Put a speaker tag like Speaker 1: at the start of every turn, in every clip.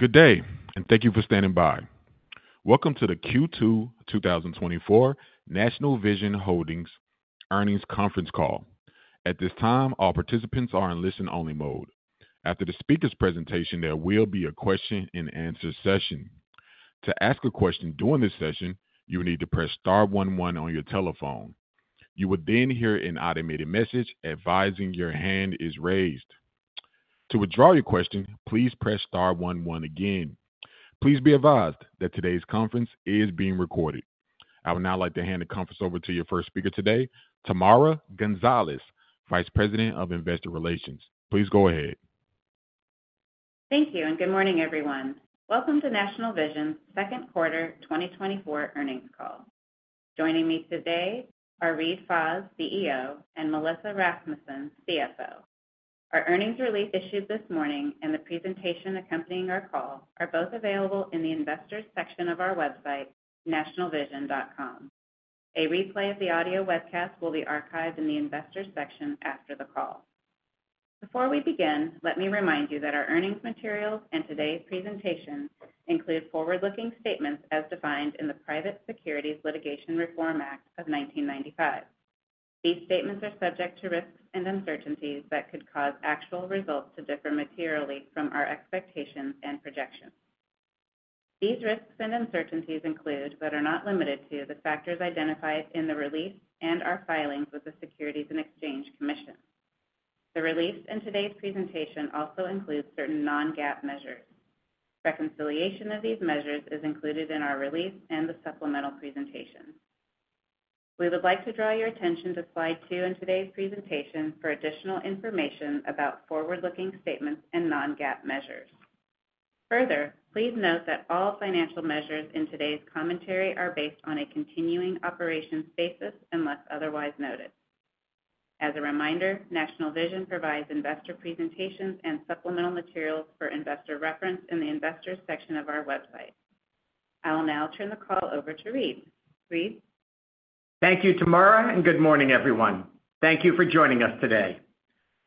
Speaker 1: Good day, and thank you for standing by. Welcome to the Q2 2024 National Vision Holdings Earnings Conference Call. At this time, all participants are in listen-only mode. After the speaker's presentation, there will be a question-and-answer session. To ask a question during this session, you will need to press star one one on your telephone. You will then hear an automated message advising your hand is raised. To withdraw your question, please press star one one again. Please be advised that today's conference is being recorded. I would now like to hand the conference over to your first speaker today, Tamara Gonzalez, Vice President of Investor Relations. Please go ahead.
Speaker 2: Thank you, and good morning, everyone. Welcome to National Vision's second quarter 2024 earnings call. Joining me today are Reade Fahs, CEO, and Melissa Rasmussen, CFO. Our earnings release issued this morning and the presentation accompanying our call are both available in the Investors section of our website, nationalvision.com. A replay of the audio webcast will be archived in the Investors section after the call. Before we begin, let me remind you that our earnings materials and today's presentation include forward-looking statements as defined in the Private Securities Litigation Reform Act of 1995. These statements are subject to risks and uncertainties that could cause actual results to differ materially from our expectations and projections. These risks and uncertainties include, but are not limited to, the factors identified in the release and our filings with the Securities and Exchange Commission. The release in today's presentation also includes certain non-GAAP measures. Reconciliation of these measures is included in our release and the supplemental presentation. We would like to draw your attention to slide two in today's presentation for additional information about forward-looking statements and non-GAAP measures. Further, please note that all financial measures in today's commentary are based on a continuing operations basis, unless otherwise noted. As a reminder, National Vision provides investor presentations and supplemental materials for investor reference in the Investors section of our website. I will now turn the call over to Reade. Reade?
Speaker 3: Thank you, Tamara, and good morning, everyone. Thank you for joining us today.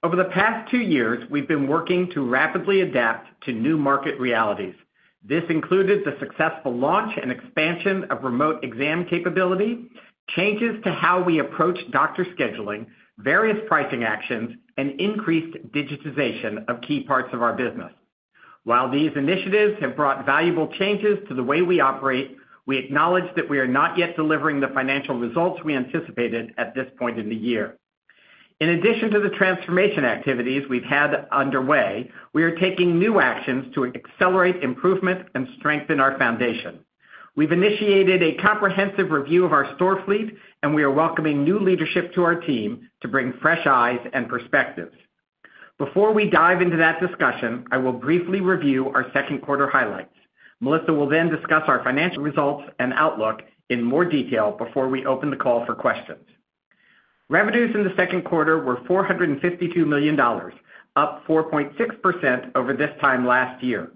Speaker 3: Over the past two years, we've been working to rapidly adapt to new market realities. This included the successful launch and expansion of remote exam capability, changes to how we approach doctor scheduling, various pricing actions, and increased digitization of key parts of our business. While these initiatives have brought valuable changes to the way we operate, we acknowledge that we are not yet delivering the financial results we anticipated at this point in the year. In addition to the transformation activities we've had underway, we are taking new actions to accelerate improvement and strengthen our foundation. We've initiated a comprehensive review of our store fleet, and we are welcoming new leadership to our team to bring fresh eyes and perspectives. Before we dive into that discussion, I will briefly review our second quarter highlights. Melissa will then discuss our financial results and outlook in more detail before we open the call for questions. Revenues in the second quarter were $452 million, up 4.6% over this time last year.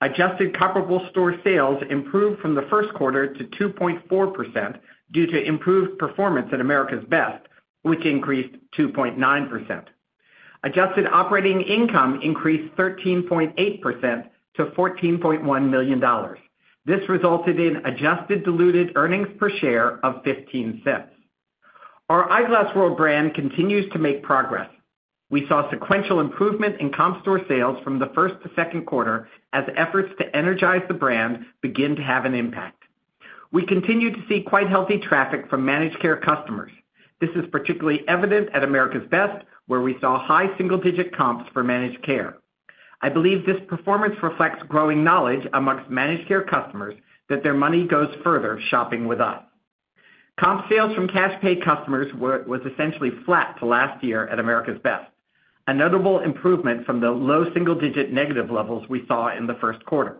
Speaker 3: Adjusted comparable store sales improved from the first quarter to 2.4% due to improved performance at America's Best, which increased 2.9%. Adjusted operating income increased 13.8% to $14.1 million. This resulted in adjusted diluted earnings per share of $0.15. Our Eyeglass World brand continues to make progress. We saw sequential improvement in comp store sales from the first to second quarter as efforts to energize the brand begin to have an impact. We continue to see quite healthy traffic from managed care customers. This is particularly evident at America's Best, where we saw high single-digit comps for managed care. I believe this performance reflects growing knowledge amongst managed care customers that their money goes further shopping with us. Comp sales from cash paid customers were essentially flat to last year at America's Best, a notable improvement from the low single digit negative levels we saw in the first quarter.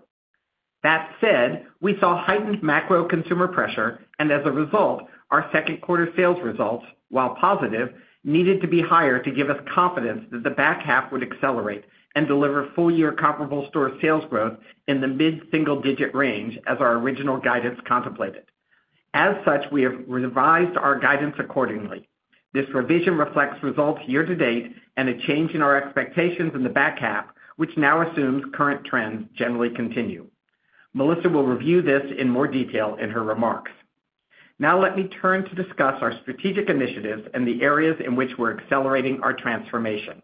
Speaker 3: That said, we saw heightened macro consumer pressure, and as a result, our second quarter sales results, while positive, needed to be higher to give us confidence that the back half would accelerate and deliver full-year comparable store sales growth in the mid-single digit range as our original guidance contemplated. As such, we have revised our guidance accordingly. This revision reflects results year to date and a change in our expectations in the back half, which now assumes current trends generally continue. Melissa will review this in more detail in her remarks. Now let me turn to discuss our strategic initiatives and the areas in which we're accelerating our transformation.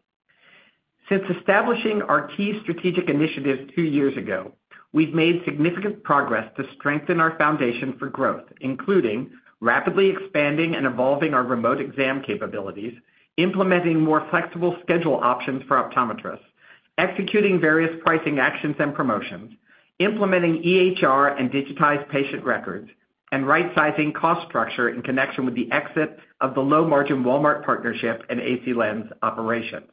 Speaker 3: Since establishing our key strategic initiatives two years ago, we've made significant progress to strengthen our foundation for growth, including rapidly expanding and evolving our remote exam capabilities, implementing more flexible schedule options for optometrists, executing various pricing actions and promotions, implementing EHR and digitized patient records, and right-sizing cost structure in connection with the exit of the low-margin Walmart partnership and AC Lens operations.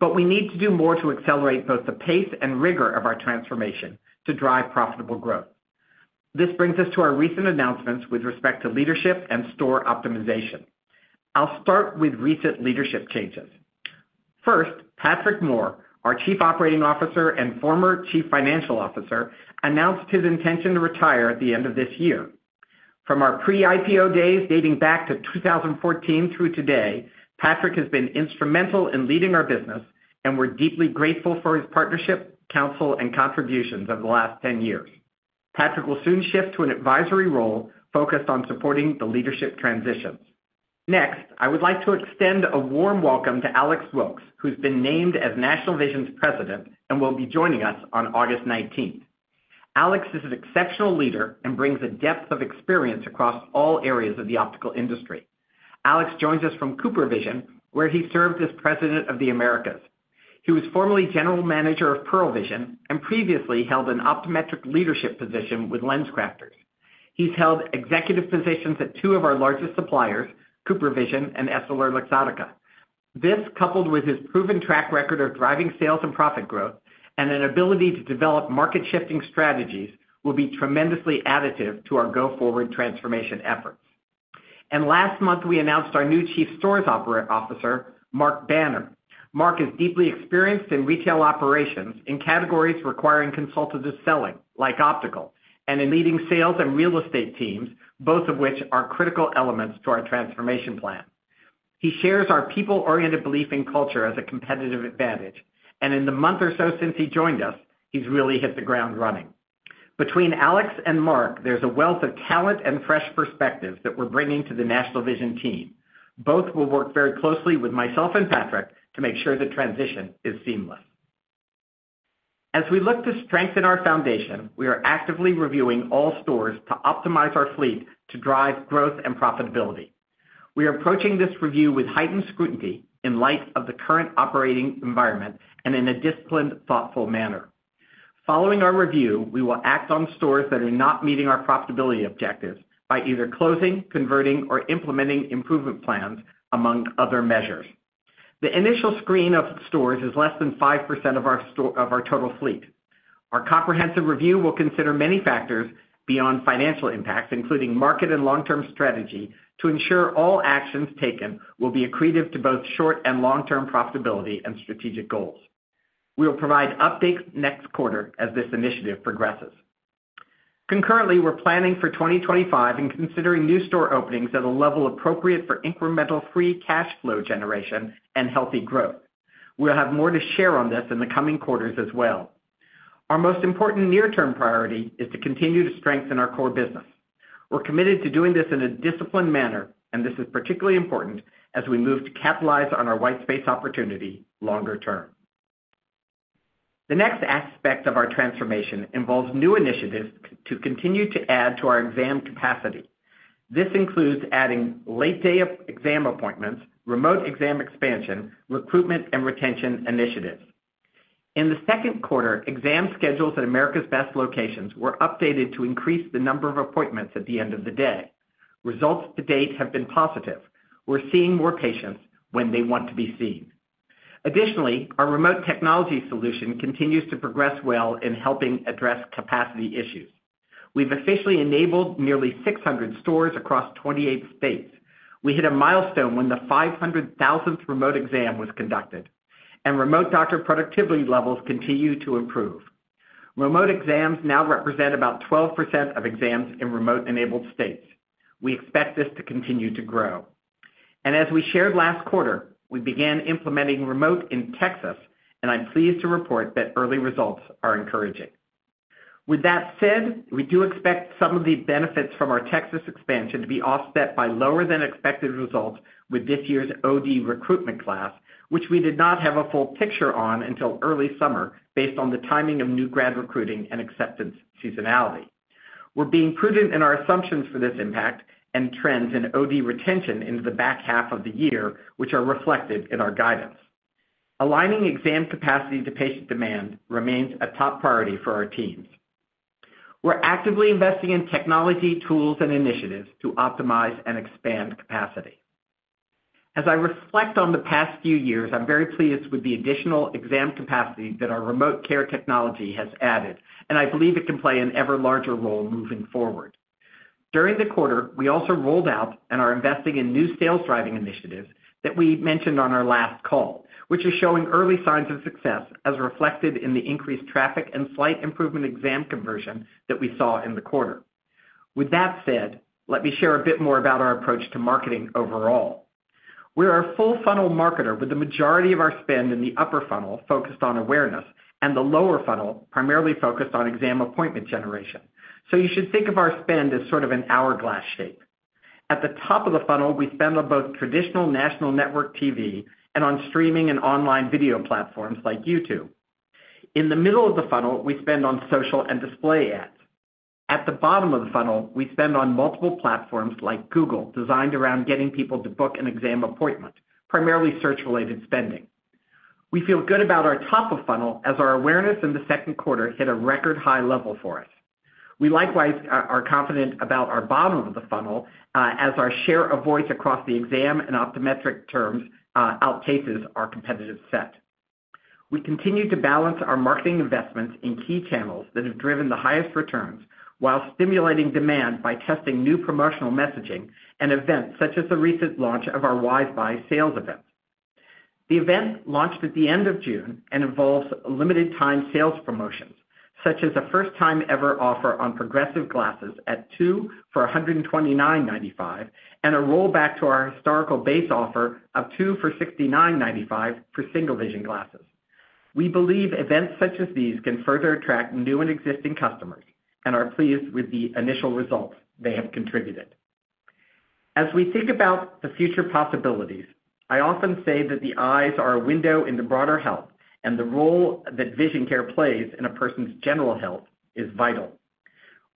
Speaker 3: But we need to do more to accelerate both the pace and rigor of our transformation to drive profitable growth. This brings us to our recent announcements with respect to leadership and store optimization. I'll start with recent leadership changes. First, Patrick Moore, our Chief Operating Officer and former Chief Financial Officer, announced his intention to retire at the end of this year.... From our pre-IPO days dating back to 2014 through today, Patrick has been instrumental in leading our business, and we're deeply grateful for his partnership, counsel, and contributions over the last 10 years. Patrick will soon shift to an advisory role focused on supporting the leadership transitions. Next, I would like to extend a warm welcome to Alex Wilkes, who's been named as National Vision's President and will be joining us on August nineteenth. Alex is an exceptional leader and brings a depth of experience across all areas of the optical industry. Alex joins us from CooperVision, where he served as President of the Americas. He was formerly General Manager of Pearle Vision, and previously held an optometric leadership position with LensCrafters. He's held executive positions at two of our largest suppliers, CooperVision and EssilorLuxottica. This, coupled with his proven track record of driving sales and profit growth, and an ability to develop market-shifting strategies, will be tremendously additive to our go-forward transformation efforts. And last month, we announced our new Chief Stores Officer, Mark Banner. Mark is deeply experienced in retail operations, in categories requiring consultative selling, like optical, and in leading sales and real estate teams, both of which are critical elements to our transformation plan. He shares our people-oriented belief in culture as a competitive advantage, and in the month or so since he joined us, he's really hit the ground running. Between Alex and Mark, there's a wealth of talent and fresh perspectives that we're bringing to the National Vision team. Both will work very closely with myself and Patrick to make sure the transition is seamless. As we look to strengthen our foundation, we are actively reviewing all stores to optimize our fleet to drive growth and profitability. We are approaching this review with heightened scrutiny in light of the current operating environment and in a disciplined, thoughtful manner. Following our review, we will act on stores that are not meeting our profitability objectives by either closing, converting, or implementing improvement plans, among other measures. The initial screen of stores is less than 5% of our total fleet. Our comprehensive review will consider many factors beyond financial impacts, including market and long-term strategy, to ensure all actions taken will be accretive to both short- and long-term profitability and strategic goals. We will provide updates next quarter as this initiative progresses. Concurrently, we're planning for 2025 and considering new store openings at a level appropriate for incremental free cash flow generation and healthy growth. We'll have more to share on this in the coming quarters as well. Our most important near-term priority is to continue to strengthen our core business. We're committed to doing this in a disciplined manner, and this is particularly important as we move to capitalize on our white space opportunity longer term. The next aspect of our transformation involves new initiatives to continue to add to our exam capacity. This includes adding late-day exam appointments, remote exam expansion, recruitment, and retention initiatives. In the second quarter, exam schedules at America's Best locations were updated to increase the number of appointments at the end of the day. Results to date have been positive. We're seeing more patients when they want to be seen. Additionally, our remote technology solution continues to progress well in helping address capacity issues. We've officially enabled nearly 600 stores across 28 states. We hit a milestone when the 500,000th remote exam was conducted, and remote doctor productivity levels continue to improve. Remote exams now represent about 12% of exams in remote-enabled states. We expect this to continue to grow. As we shared last quarter, we began implementing remote in Texas, and I'm pleased to report that early results are encouraging. With that said, we do expect some of the benefits from our Texas expansion to be offset by lower-than-expected results with this year's OD recruitment class, which we did not have a full picture on until early summer, based on the timing of new grad recruiting and acceptance seasonality. We're being prudent in our assumptions for this impact and trends in OD retention into the back half of the year, which are reflected in our guidance. Aligning exam capacity to patient demand remains a top priority for our teams. We're actively investing in technology, tools, and initiatives to optimize and expand capacity. As I reflect on the past few years, I'm very pleased with the additional exam capacity that our remote care technology has added, and I believe it can play an ever larger role moving forward. During the quarter, we also rolled out and are investing in new sales driving initiatives that we mentioned on our last call, which are showing early signs of success, as reflected in the increased traffic and slight improvement exam conversion that we saw in the quarter. With that said, let me share a bit more about our approach to marketing overall. We are a full-funnel marketer, with the majority of our spend in the upper funnel focused on awareness and the lower funnel primarily focused on exam appointment generation. So you should think of our spend as sort of an hourglass shape. At the top of the funnel, we spend on both traditional national network TV and on streaming and online video platforms like YouTube. In the middle of the funnel, we spend on social and display ads. At the bottom of the funnel, we spend on multiple platforms like Google, designed around getting people to book an exam appointment, primarily search-related spending. We feel good about our top of funnel, as our awareness in the second quarter hit a record high level for us. We likewise are confident about our bottom of the funnel, as our share of voice across the exam and optometric terms outpaces our competitive set. We continue to balance our marketing investments in key channels that have driven the highest returns while stimulating demand by testing new promotional messaging and events, such as the recent launch of our Wise Buy sales event. The event launched at the end of June and involves limited time sales promotions, such as a first-time ever offer on progressive glasses at two for $129.95, and a rollback to our historical base offer of two for $69.95 for single vision glasses. We believe events such as these can further attract new and existing customers and are pleased with the initial results they have contributed. As we think about the future possibilities, I often say that the eyes are a window into broader health, and the role that vision care plays in a person's general health is vital.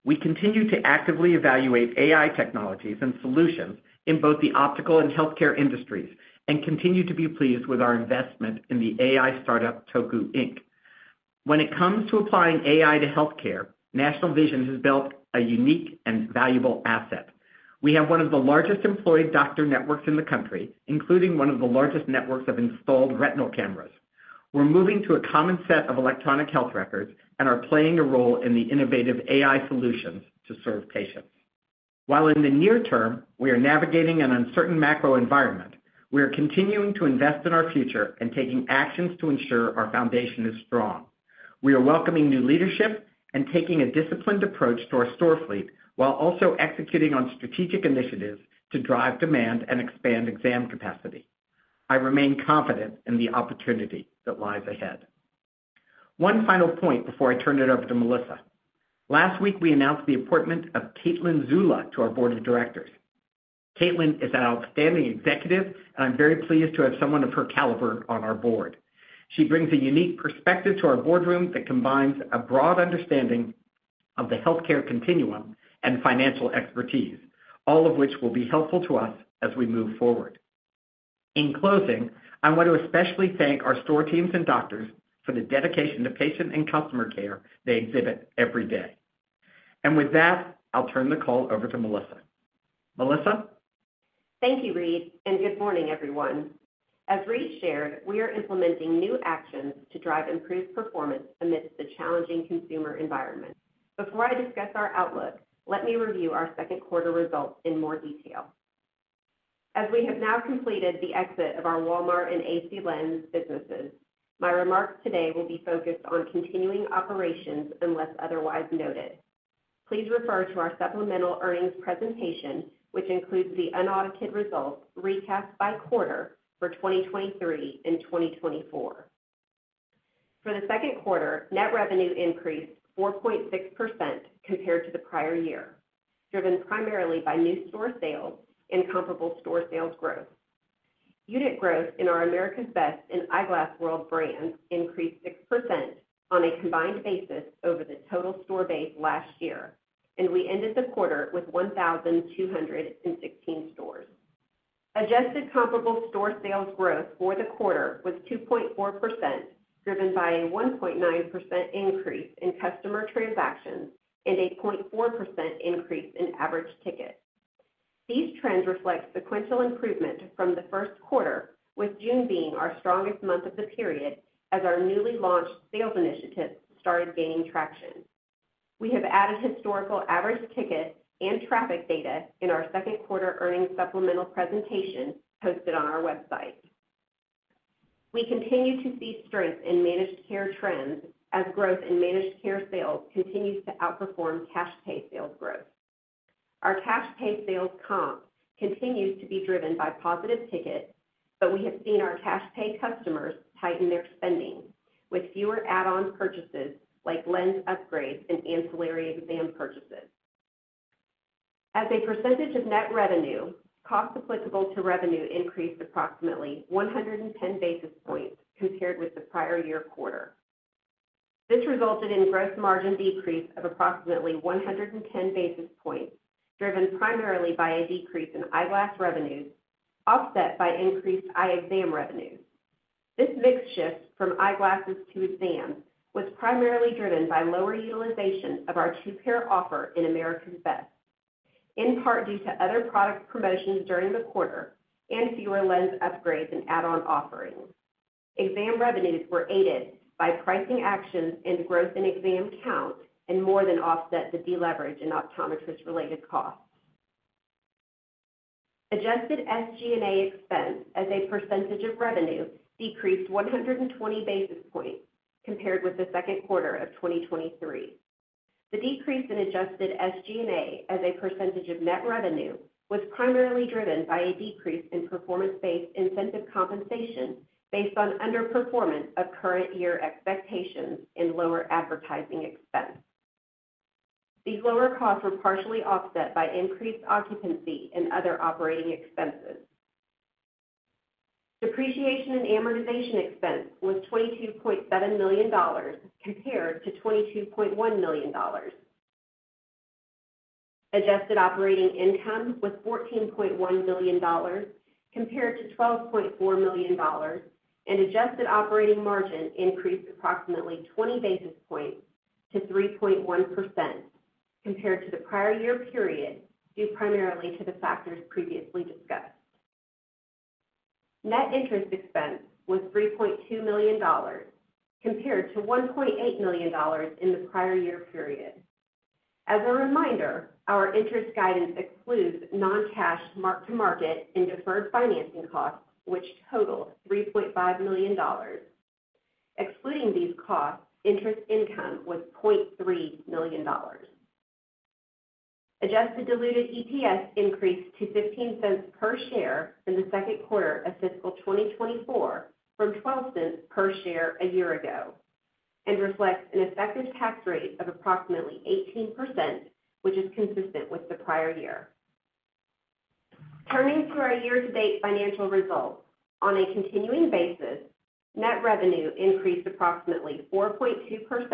Speaker 3: We continue to actively evaluate AI technologies and solutions in both the optical and healthcare industries, and continue to be pleased with our investment in the AI startup Toku, Inc. When it comes to applying AI to healthcare, National Vision has built a unique and valuable asset. We have one of the largest employed doctor networks in the country, including one of the largest networks of installed retinal cameras. We're moving to a common set of electronic health records and are playing a role in the innovative AI solutions to serve patients. While in the near term, we are navigating an uncertain macro environment, we are continuing to invest in our future and taking actions to ensure our foundation is strong. We are welcoming new leadership and taking a disciplined approach to our store fleet, while also executing on strategic initiatives to drive demand and expand exam capacity. I remain confident in the opportunity that lies ahead. One final point before I turn it over to Melissa. Last week, we announced the appointment of Caitlin Zulla to our board of directors. Caitlin is an outstanding executive, and I'm very pleased to have someone of her caliber on our board. She brings a unique perspective to our boardroom that combines a broad understanding of the healthcare continuum and financial expertise, all of which will be helpful to us as we move forward. In closing, I want to especially thank our store teams and doctors for the dedication to patient and customer care they exhibit every day. With that, I'll turn the call over to Melissa. Melissa?
Speaker 4: Thank you, Reade, and good morning, everyone. As Reade shared, we are implementing new actions to drive improved performance amidst the challenging consumer environment. Before I discuss our outlook, let me review our second quarter results in more detail. As we have now completed the exit of our Walmart and AC Lens businesses, my remarks today will be focused on continuing operations, unless otherwise noted. Please refer to our supplemental earnings presentation, which includes the unaudited results, recast by quarter for 2023 and 2024. For the second quarter, net revenue increased 4.6% compared to the prior year, driven primarily by new store sales and comparable store sales growth. Unit growth in our America's Best and Eyeglass World brands increased 6% on a combined basis over the total store base last year, and we ended the quarter with 1,216 stores. Adjusted comparable store sales growth for the quarter was 2.4%, driven by a 1.9% increase in customer transactions and a 0.4% increase in average ticket. These trends reflect sequential improvement from the first quarter, with June being our strongest month of the period, as our newly launched sales initiatives started gaining traction. We have added historical average ticket and traffic data in our second quarter earnings supplemental presentation posted on our website. We continue to see strength in managed care trends as growth in managed care sales continues to outperform cash pay sales growth. Our cash pay sales comp continues to be driven by positive ticket, but we have seen our cash pay customers tighten their spending, with fewer add-on purchases like lens upgrades and ancillary exam purchases. As a percentage of net revenue, costs applicable to revenue increased approximately 110 basis points compared with the prior year quarter. This resulted in gross margin decrease of approximately 110 basis points, driven primarily by a decrease in eyeglass revenues, offset by increased eye exam revenues. This mix shift from eyeglasses to exams was primarily driven by lower utilization of our two-pair offer in America's Best, in part due to other product promotions during the quarter and fewer lens upgrades and add-on offerings. Exam revenues were aided by pricing actions and growth in exam count, and more than offset the deleverage in optometrist-related costs. Adjusted SG&A expense as a percentage of revenue decreased 120 basis points compared with the second quarter of 2023. The decrease in Adjusted SG&A as a percentage of net revenue was primarily driven by a decrease in performance-based incentive compensation based on underperformance of current year expectations and lower advertising expense. These lower costs were partially offset by increased occupancy and other operating expenses. Depreciation and amortization expense was $22.7 million, compared to $22.1 million. Adjusted operating income was $14.1 million, compared to $12.4 million, and adjusted operating margin increased approximately 20 basis points to 3.1% compared to the prior year period, due primarily to the factors previously discussed. Net interest expense was $3.2 million, compared to $1.8 million in the prior year period. As a reminder, our interest guidance excludes non-cash mark-to-market and deferred financing costs, which total $3.5 million. Excluding these costs, interest income was $0.3 million. Adjusted diluted EPS increased to $0.15 per share in the second quarter of fiscal 2024, from $0.12 per share a year ago, and reflects an effective tax rate of approximately 18%, which is consistent with the prior year. Turning to our year-to-date financial results. On a continuing basis, net revenue increased approximately 4.2%,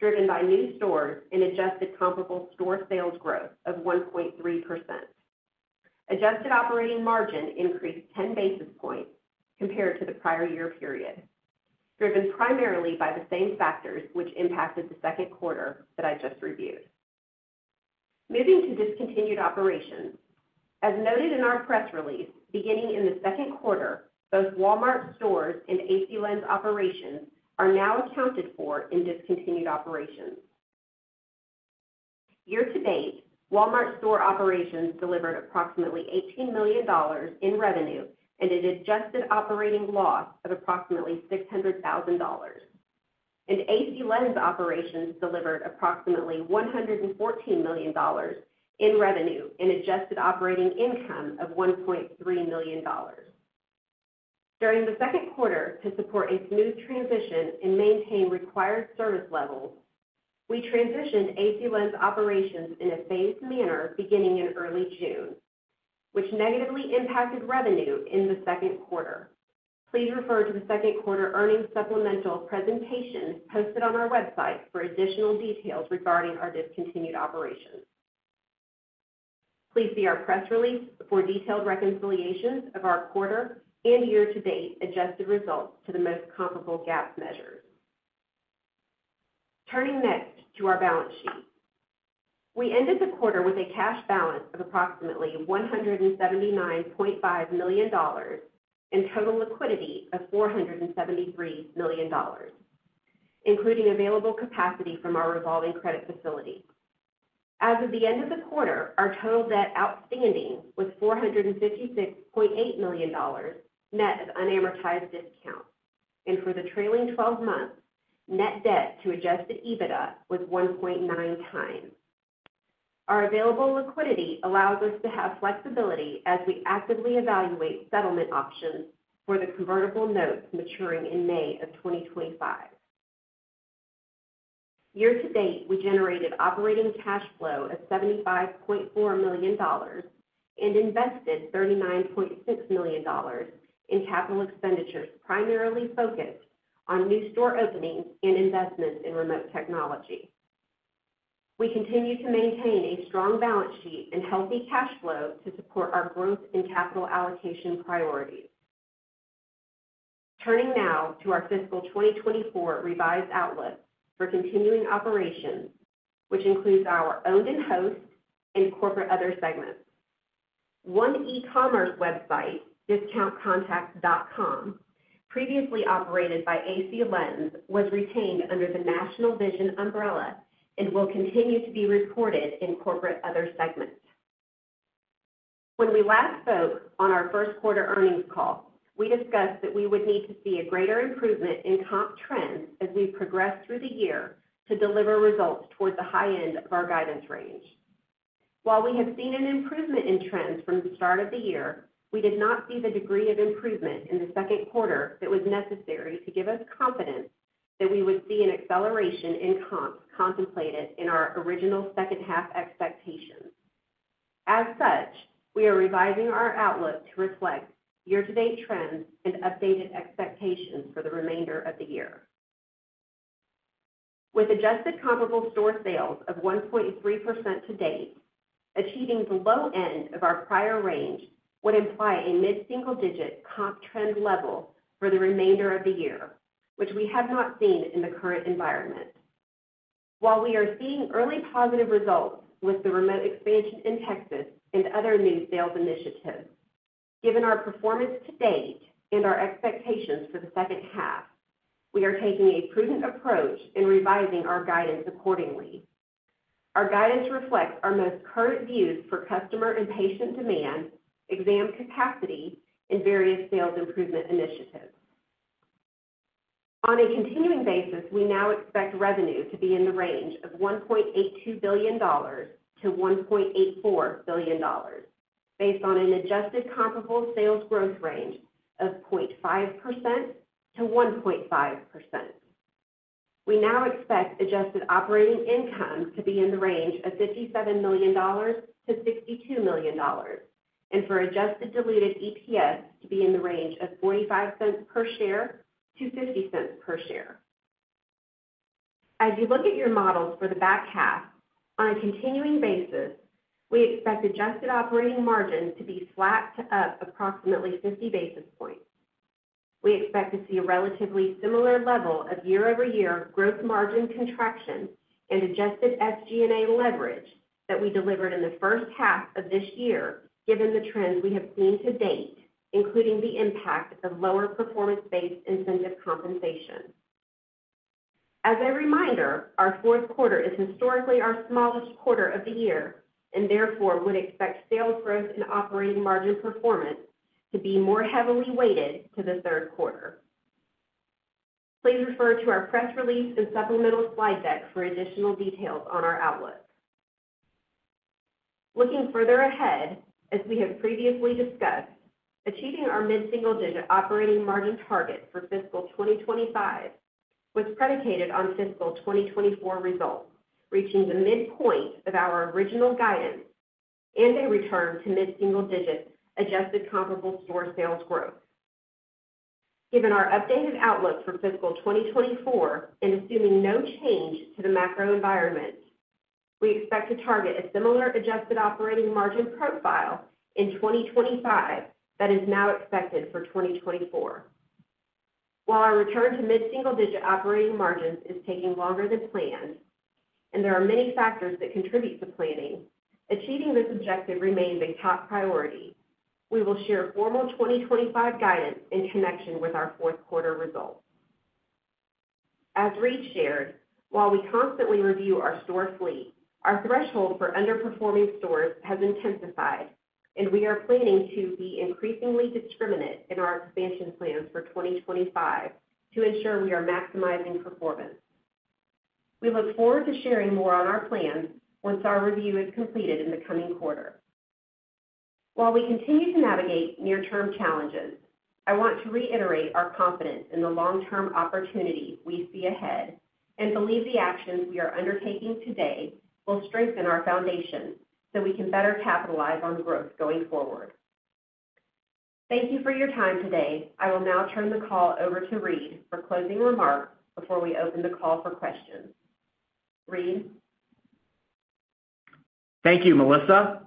Speaker 4: driven by new stores and adjusted comparable store sales growth of 1.3%. Adjusted operating margin increased 10 basis points compared to the prior year period, driven primarily by the same factors which impacted the second quarter that I just reviewed. Moving to discontinued operations. As noted in our press release, beginning in the second quarter, both Walmart stores and AC Lens operations are now accounted for in discontinued operations. Year to date, Walmart store operations delivered approximately $18 million in revenue and an adjusted operating loss of approximately $600,000. AC Lens operations delivered approximately $114 million in revenue and adjusted operating income of $1.3 million. During the second quarter, to support a smooth transition and maintain required service levels, we transitioned AC Lens operations in a phased manner beginning in early June, which negatively impacted revenue in the second quarter. Please refer to the second quarter earnings supplemental presentation posted on our website for additional details regarding our discontinued operations. Please see our press release for detailed reconciliations of our quarter and year-to-date adjusted results to the most comparable GAAP measures. Turning next to our balance sheet. We ended the quarter with a cash balance of approximately $179.5 million and total liquidity of $473 million, including available capacity from our revolving credit facility. As of the end of the quarter, our total debt outstanding was $456.8 million, net of unamortized discount, and for the trailing twelve months, net debt to adjusted EBITDA was 1.9 times. Our available liquidity allows us to have flexibility as we actively evaluate settlement options for the convertible notes maturing in May 2025. Year to date, we generated operating cash flow of $75.4 million and invested $39.6 million in capital expenditures, primarily focused on new store openings and investments in remote technology. We continue to maintain a strong balance sheet and healthy cash flow to support our growth and capital allocation priorities. Turning now to our fiscal 2024 revised outlook for continuing operations, which includes our Owned and Hosted and Corporate Other segments. One e-commerce website, DiscountContacts.com, previously operated by AC Lens, was retained under the National Vision umbrella and will continue to be reported in Corporate Other segments. When we last spoke on our first quarter earnings call, we discussed that we would need to see a greater improvement in comp trends as we progress through the year to deliver results towards the high end of our guidance range. While we have seen an improvement in trends from the start of the year, we did not see the degree of improvement in the second quarter that was necessary to give us confidence that we would see an acceleration in comps contemplated in our original second half expectations. As such, we are revising our outlook to reflect year-to-date trends and updated expectations for the remainder of the year. With adjusted comparable store sales of 1.3% to date, achieving the low end of our prior range would imply a mid-single-digit comp trend level for the remainder of the year, which we have not seen in the current environment. While we are seeing early positive results with the remote expansion in Texas and other new sales initiatives, given our performance to date and our expectations for the second half, we are taking a prudent approach in revising our guidance accordingly. Our guidance reflects our most current views for customer and patient demand, exam capacity, and various sales improvement initiatives. On a continuing basis, we now expect revenue to be in the range of $1.82 billion-$1.84 billion, based on an adjusted comparable sales growth range of 0.5%-1.5%. We now expect adjusted operating income to be in the range of $57 million-$62 million, and for adjusted diluted EPS to be in the range of $0.45-$0.50 per share. As you look at your models for the back half, on a continuing basis, we expect adjusted operating margin to be flat to up approximately 50 basis points. We expect to see a relatively similar level of year-over-year growth margin contraction and adjusted SG&A leverage that we delivered in the first half of this year, given the trends we have seen to date, including the impact of lower performance-based incentive compensation. As a reminder, our fourth quarter is historically our smallest quarter of the year, and therefore, would expect sales growth and operating margin performance to be more heavily weighted to the third quarter. Please refer to our press release and supplemental slide deck for additional details on our outlook. Looking further ahead, as we have previously discussed, achieving our mid-single digit operating margin target for fiscal 2025 was predicated on fiscal 2024 results, reaching the midpoint of our original guidance and a return to mid-single digit adjusted comparable store sales growth. Given our updated outlook for fiscal 2024 and assuming no change to the macro environment, we expect to target a similar adjusted operating margin profile in 2025 that is now expected for 2024. While our return to mid-single digit operating margins is taking longer than planned, and there are many factors that contribute to planning, achieving this objective remains a top priority. We will share formal 2025 guidance in connection with our fourth quarter results. As Reade shared, while we constantly review our store fleet, our threshold for underperforming stores has intensified, and we are planning to be increasingly discriminate in our expansion plans for 2025 to ensure we are maximizing performance. We look forward to sharing more on our plans once our review is completed in the coming quarter. While we continue to navigate near-term challenges, I want to reiterate our confidence in the long-term opportunity we see ahead, and believe the actions we are undertaking today will strengthen our foundation, so we can better capitalize on growth going forward. Thank you for your time today. I will now turn the call over to Reade for closing remarks before we open the call for questions. Reade?
Speaker 3: Thank you, Melissa.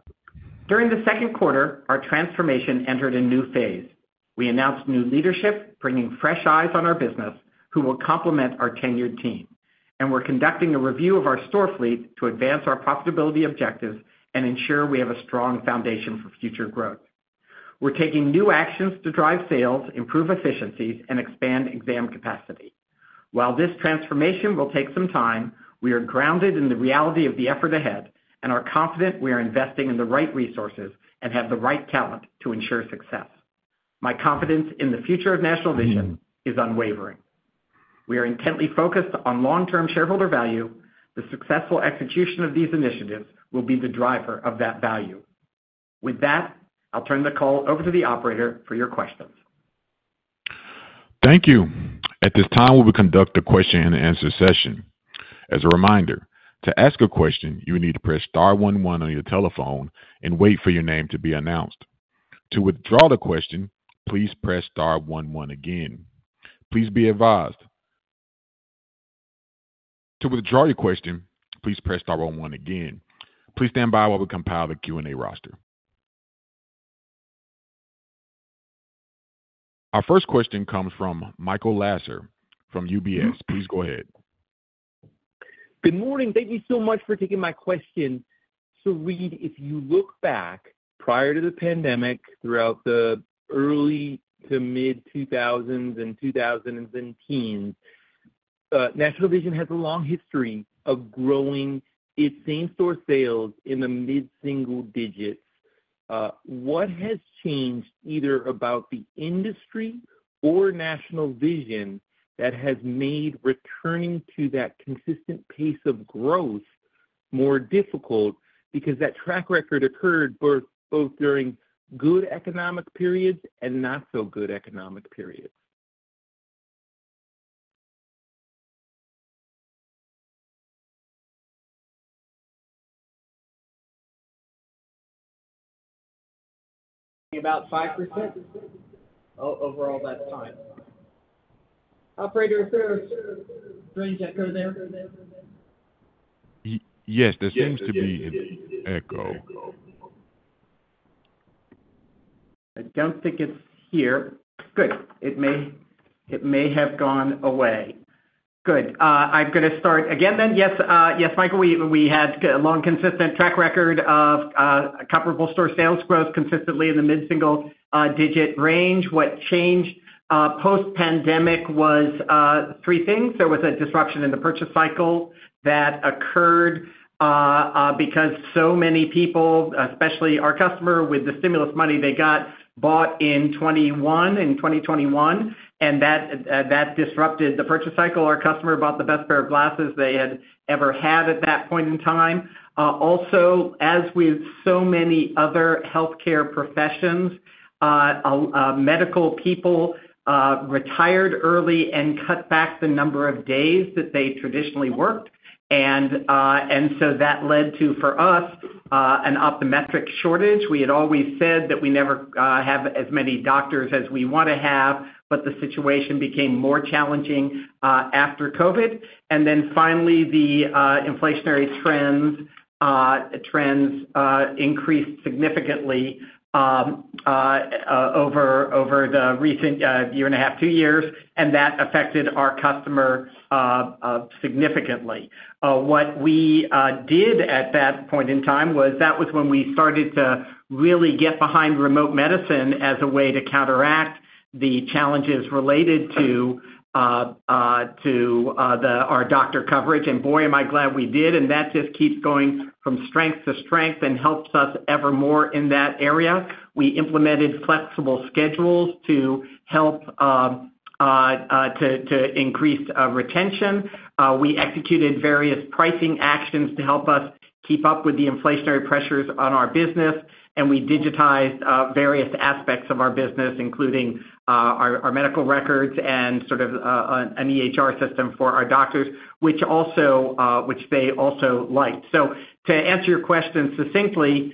Speaker 3: During the second quarter, our transformation entered a new phase. We announced new leadership, bringing fresh eyes on our business, who will complement our tenured team. We're conducting a review of our store fleet to advance our profitability objectives and ensure we have a strong foundation for future growth. We're taking new actions to drive sales, improve efficiencies, and expand exam capacity. While this transformation will take some time, we are grounded in the reality of the effort ahead and are confident we are investing in the right resources and have the right talent to ensure success. My confidence in the future of National Vision is unwavering. We are intently focused on long-term shareholder value. The successful execution of these initiatives will be the driver of that value. With that, I'll turn the call over to the operator for your questions.
Speaker 1: Thank you. At this time, we will conduct a question-and-answer session. As a reminder, to ask a question, you need to press star one one on your telephone and wait for your name to be announced. To withdraw the question, please press star one one again. Please be advised. To withdraw your question, please press star one one again. Please stand by while we compile the Q&A roster. Our first question comes from Michael Lasser from UBS. Please go ahead.
Speaker 5: Good morning. Thank you so much for taking my question. So Reade, if you look back prior to the pandemic, throughout the early to mid-2000s and 2010s, National Vision has a long history of growing its same-store sales in the mid-single digits. What has changed, either about the industry or National Vision, that has made returning to that consistent pace of growth more difficult? Because that track record occurred both, both during good economic periods and not so good economic periods. About 5%? Overall, that's fine. Operator, is there a strange echo there?
Speaker 1: Yes, there seems to be an echo.
Speaker 3: I don't think it's here. Good. It may, it may have gone away. Good. I'm gonna start again then. Yes, yes, Michael, we, we had a long, consistent track record of comparable store sales growth consistently in the mid-single-digit range. What changed post-pandemic was three things. There was a disruption in the purchase cycle that occurred because so many people, especially our customer with the stimulus money they got, bought in 2021, and that disrupted the purchase cycle. Our customer bought the best pair of glasses they had ever had at that point in time. Also, as with so many other healthcare professions, medical people retired early and cut back the number of days that they traditionally worked. And so that led to, for us, an optometric shortage. We had always said that we never have as many doctors as we want to have, but the situation became more challenging after COVID. And then finally, the inflationary trends increased significantly over the recent year and a half, two years, and that affected our customer significantly. What we did at that point in time was that was when we started to really get behind remote medicine as a way to counteract... the challenges related to our doctor coverage, and boy, am I glad we did! And that just keeps going from strength to strength and helps us ever more in that area. We implemented flexible schedules to help to increase retention. We executed various pricing actions to help us keep up with the inflationary pressures on our business, and we digitized various aspects of our business, including our medical records and sort of an EHR system for our doctors, which they also liked. So to answer your question succinctly,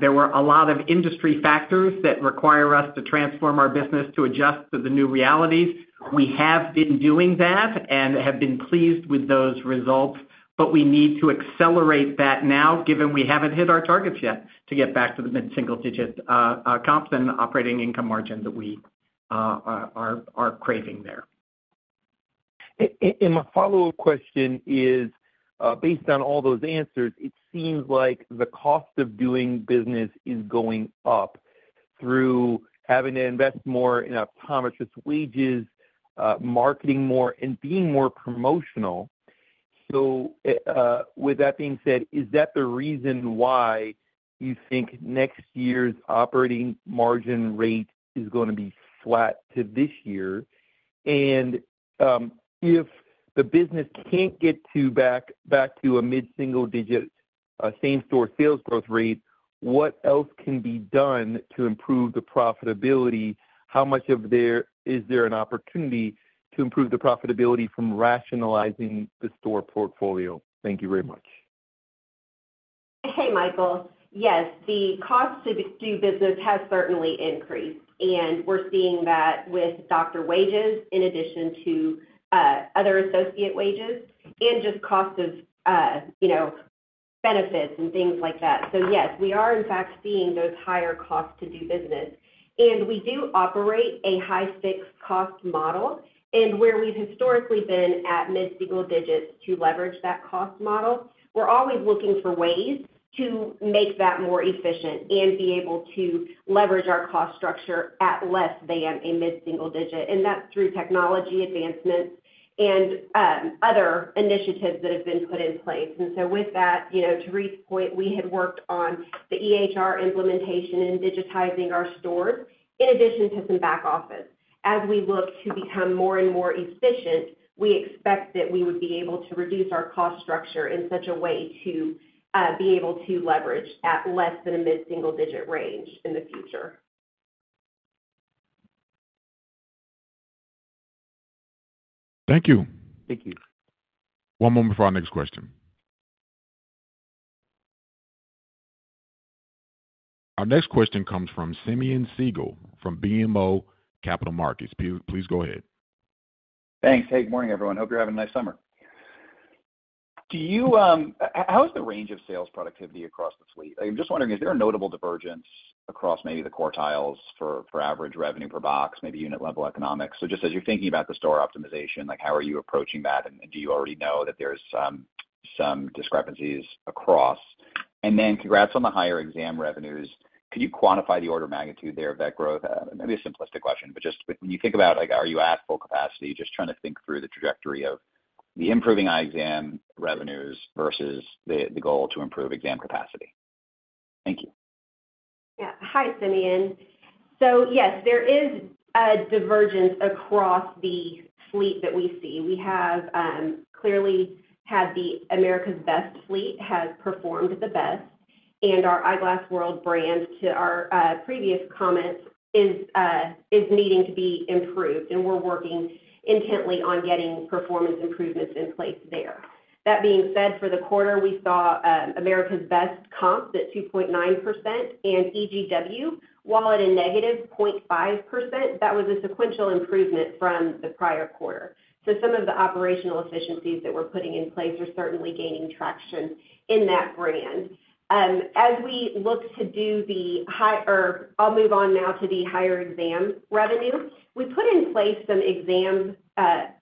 Speaker 3: there were a lot of industry factors that require us to transform our business to adjust to the new realities. We have been doing that and have been pleased with those results, but we need to accelerate that now, given we haven't hit our targets yet, to get back to the mid-single digit comps and operating income margin that we are craving there.
Speaker 5: And my follow-up question is, based on all those answers, it seems like the cost of doing business is going up through having to invest more in optometrists' wages, marketing more and being more promotional. So, with that being said, is that the reason why you think next year's operating margin rate is gonna be flat to this year? And, if the business can't get back to a mid-single digit same-store sales growth rate, what else can be done to improve the profitability? How much of that, is there an opportunity to improve the profitability from rationalizing the store portfolio? Thank you very much.
Speaker 4: Hey, Michael. Yes, the cost to do business has certainly increased, and we're seeing that with doctor wages, in addition to other associate wages and just cost of, you know, benefits and things like that. So yes, we are in fact seeing those higher costs to do business. And we do operate a high fixed cost model, and where we've historically been at mid-single digits to leverage that cost model, we're always looking for ways to make that more efficient and be able to leverage our cost structure at less than a mid-single digit. And that's through technology advancements and other initiatives that have been put in place. And so with that, you know, to Reade's point, we had worked on the EHR implementation and digitizing our stores, in addition to some back office. As we look to become more and more efficient, we expect that we would be able to reduce our cost structure in such a way to be able to leverage at less than a mid-single digit range in the future.
Speaker 1: Thank you.
Speaker 5: Thank you.
Speaker 1: One moment before our next question. Our next question comes from Simeon Siegel from BMO Capital Markets. Please go ahead.
Speaker 6: Thanks. Hey, good morning, everyone. Hope you're having a nice summer. How is the range of sales productivity across the fleet? I'm just wondering, is there a notable divergence across maybe the quartiles for average revenue per box, maybe unit level economics? So just as you're thinking about the store optimization, like how are you approaching that, and do you already know that there's some discrepancies across? And then congrats on the higher exam revenues. Could you quantify the order of magnitude there of that growth? Maybe a simplistic question, but just when you think about, like, are you at full capacity, just trying to think through the trajectory of the improving eye exam revenues versus the goal to improve exam capacity. Thank you.
Speaker 4: Yeah. Hi, Simeon. So yes, there is a divergence across the fleet that we see. We have clearly had the America's Best fleet has performed the best, and our Eyeglass World brand, to our previous comments, is needing to be improved, and we're working intently on getting performance improvements in place there. That being said, for the quarter, we saw America's Best comps at 2.9%, and EGW, while at a negative 0.5%, that was a sequential improvement from the prior quarter. So some of the operational efficiencies that we're putting in place are certainly gaining traction in that brand. As we look to do the high -- or I'll move on now to the higher exam revenue. We put in place some exam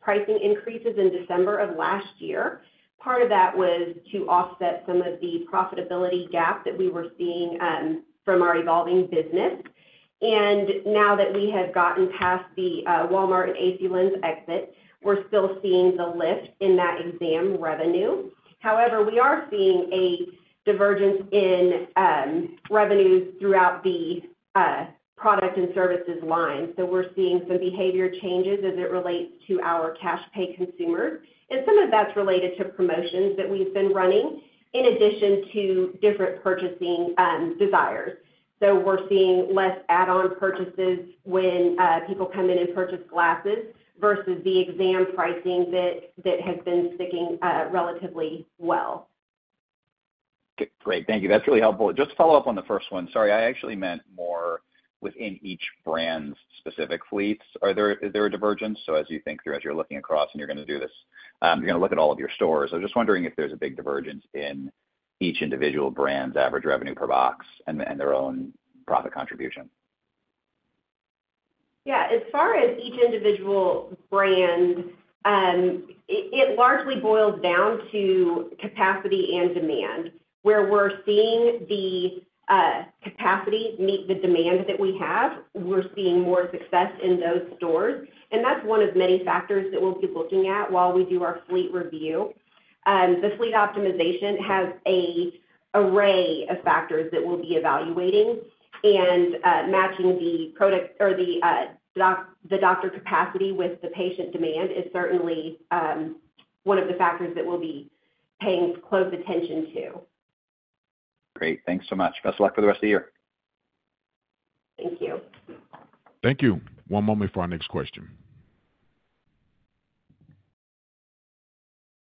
Speaker 4: pricing increases in December of last year. Part of that was to offset some of the profitability gap that we were seeing from our evolving business. Now that we have gotten past the Walmart and AC Lens exit, we're still seeing the lift in that exam revenue. However, we are seeing a divergence in revenues throughout the product and services line. So we're seeing some behavior changes as it relates to our cash pay consumers, and some of that's related to promotions that we've been running, in addition to different purchasing desires. So we're seeing less add-on purchases when people come in and purchase glasses versus the exam pricing that has been sticking relatively well.
Speaker 6: Great. Thank you. That's really helpful. Just to follow up on the first one. Sorry, I actually meant more within each brand's specific fleets. Is there a divergence? So as you think through, as you're looking across and you're gonna do this, you're gonna look at all of your stores. I'm just wondering if there's a big divergence in each individual brand's average revenue per box and, and their own profit contribution.
Speaker 4: Yeah, as far as each individual brand, it, it largely boils down to capacity and demand, where we're seeing capacity meet the demand that we have, we're seeing more success in those stores, and that's one of many factors that we'll be looking at while we do our fleet review. The fleet optimization has an array of factors that we'll be evaluating, and, matching the product or the, the doctor capacity with the patient demand is certainly, one of the factors that we'll be paying close attention to.
Speaker 6: Great. Thanks so much. Best of luck for the rest of the year!
Speaker 4: Thank you.
Speaker 1: Thank you. One moment for our next question.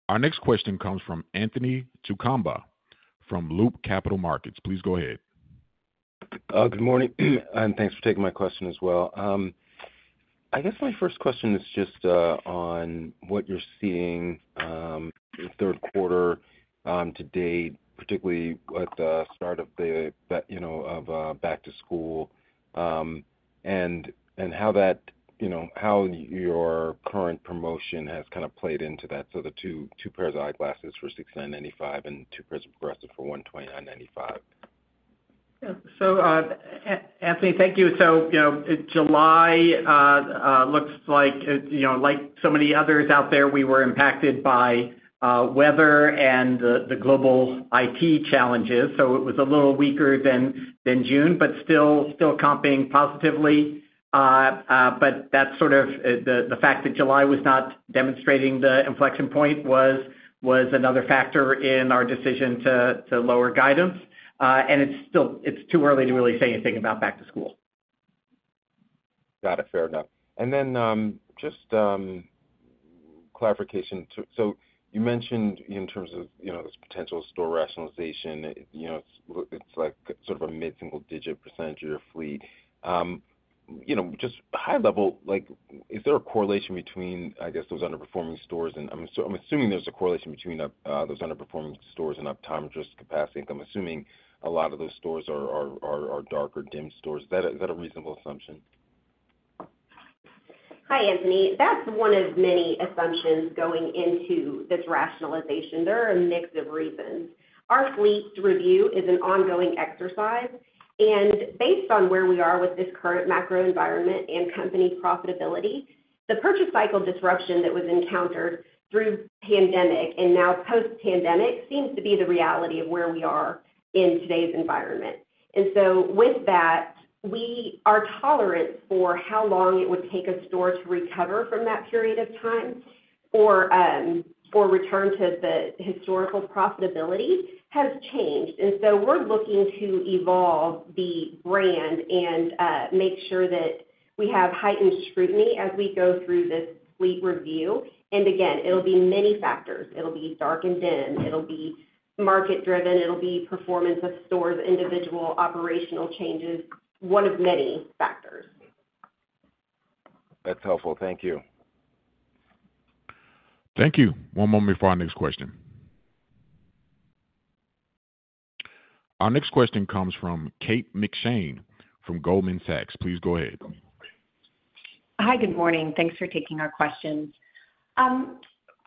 Speaker 1: Our next question comes from Anthony Chukumba from Loop Capital Markets. Please go ahead.
Speaker 7: Good morning, and thanks for taking my question as well. I guess my first question is just on what you're seeing in the third quarter to date, particularly at the start of, you know, back to school, and, and how that, you know, how your current promotion has kind of played into that. So the two, two pairs of eyeglasses for $69.95 and two pairs of progressive for $129.95.
Speaker 3: Anthony, thank you. You know, July looks like, you know, like so many others out there, we were impacted by weather and the global IT challenges, so it was a little weaker than June, but still comping positively. But that's sort of the fact that July was not demonstrating the inflection point was another factor in our decision to lower guidance. And it's still too early to really say anything about back to school.
Speaker 7: Got it. Fair enough. And then, just, clarification. So, you mentioned in terms of, you know, this potential store rationalization, you know, it's like sort of a mid-single digit percentage of your fleet. You know, just high level, like, is there a correlation between, I guess, those underperforming stores? And I'm assuming there's a correlation between, those underperforming stores and optometrist capacity, and I'm assuming a lot of those stores are dark or dim stores. Is that a reasonable assumption?
Speaker 4: Hi, Anthony. That's one of many assumptions going into this rationalization. There are a mix of reasons. Our fleet review is an ongoing exercise, and based on where we are with this current macro environment and company profitability, the purchase cycle disruption that was encountered through pandemic and now post-pandemic, seems to be the reality of where we are in today's environment. And so with that, we are tolerant for how long it would take a store to recover from that period of time or, or return to the historical profitability has changed. And so we're looking to evolve the brand and, make sure that we have heightened scrutiny as we go through this fleet review. And again, it'll be many factors. It'll be dark and dim, it'll be market driven, it'll be performance of stores, individual operational changes, one of many factors.
Speaker 7: That's helpful. Thank you.
Speaker 1: Thank you. One moment before our next question. Our next question comes from Kate McShane from Goldman Sachs. Please go ahead.
Speaker 8: Hi, good morning. Thanks for taking our questions.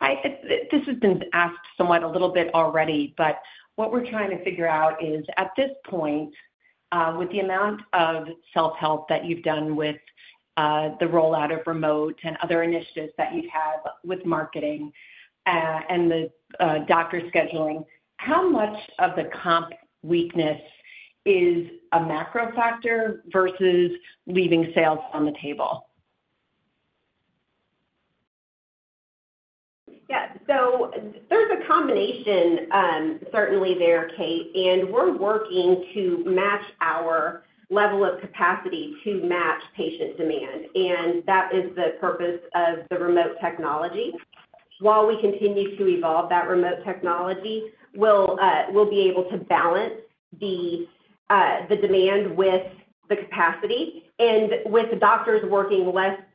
Speaker 8: This has been asked somewhat a little bit already, but what we're trying to figure out is, at this point, with the amount of self-help that you've done with, the rollout of remote and other initiatives that you've had with marketing, and the, doctor scheduling, how much of the comp weakness is a macro factor versus leaving sales on the table?
Speaker 4: Yeah. So there's a combination, certainly there, Kate, and we're working to match our level of capacity to match patient demand, and that is the purpose of the remote technology. While we continue to evolve that remote technology, we'll be able to balance the demand with the capacity and with the doctors working less hours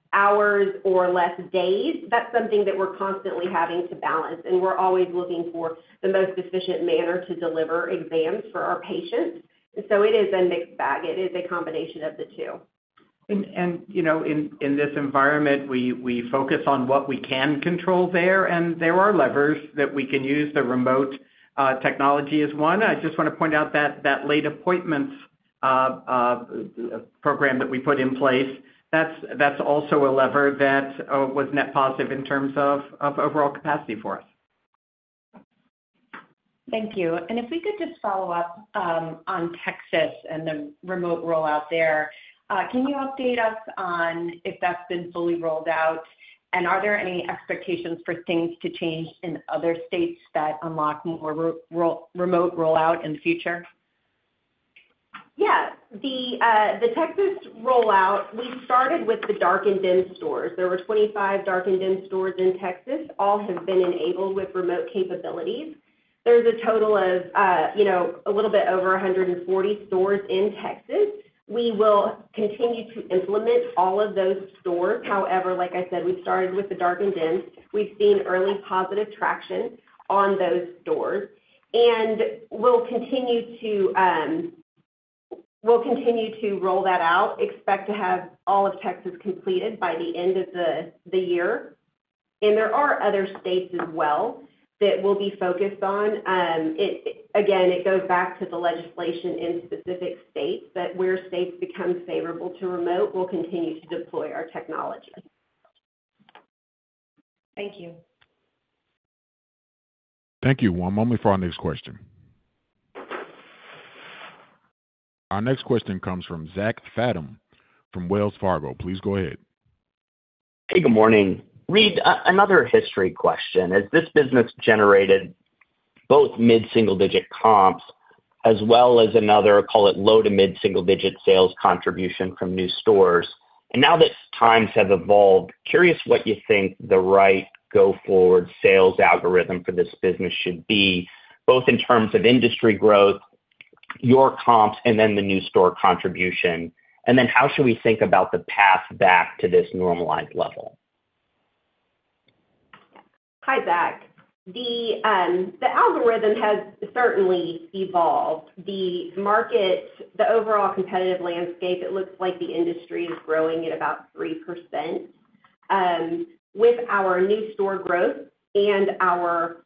Speaker 4: or less days, that's something that we're constantly having to balance, and we're always looking for the most efficient manner to deliver exams for our patients. So it is a mixed bag. It is a combination of the two.
Speaker 3: You know, in this environment, we focus on what we can control there, and there are levers that we can use. The remote technology is one. I just want to point out that late appointments program that we put in place, that's also a lever that was net positive in terms of overall capacity for us.
Speaker 8: Thank you. And if we could just follow up, on Texas and the remote rollout there, can you update us on if that's been fully rolled out? And are there any expectations for things to change in other states that unlock more remote rollout in the future?
Speaker 4: Yeah. The Texas rollout, we started with the dark and dim stores. There were 25 dark and dim stores in Texas. All have been enabled with remote capabilities. There's a total of, you know, a little bit over 140 stores in Texas. We will continue to implement all of those stores. However, like I said, we started with the dark and dim. We've seen early positive traction on those stores, and we'll continue to, we'll continue to roll that out. Expect to have all of Texas completed by the end of the year. There are other states as well that we'll be focused on. Again, it goes back to the legislation in specific states, but where states become favorable to remote, we'll continue to deploy our technology.
Speaker 8: Thank you.
Speaker 1: Thank you. One moment for our next question. Our next question comes from Zach Fadem from Wells Fargo. Please go ahead.
Speaker 9: Hey, good morning. Reade, another history question. As this business generated both mid-single-digit comps as well as another, call it, low to mid-single-digit sales contribution from new stores, and now that times have evolved, curious what you think the right go-forward sales algorithm for this business should be, both in terms of industry growth, your comps, and then the new store contribution. And then how should we think about the path back to this normalized level?
Speaker 4: Hi, Zach. The algorithm has certainly evolved. The market, the overall competitive landscape, it looks like the industry is growing at about 3%. With our new store growth and our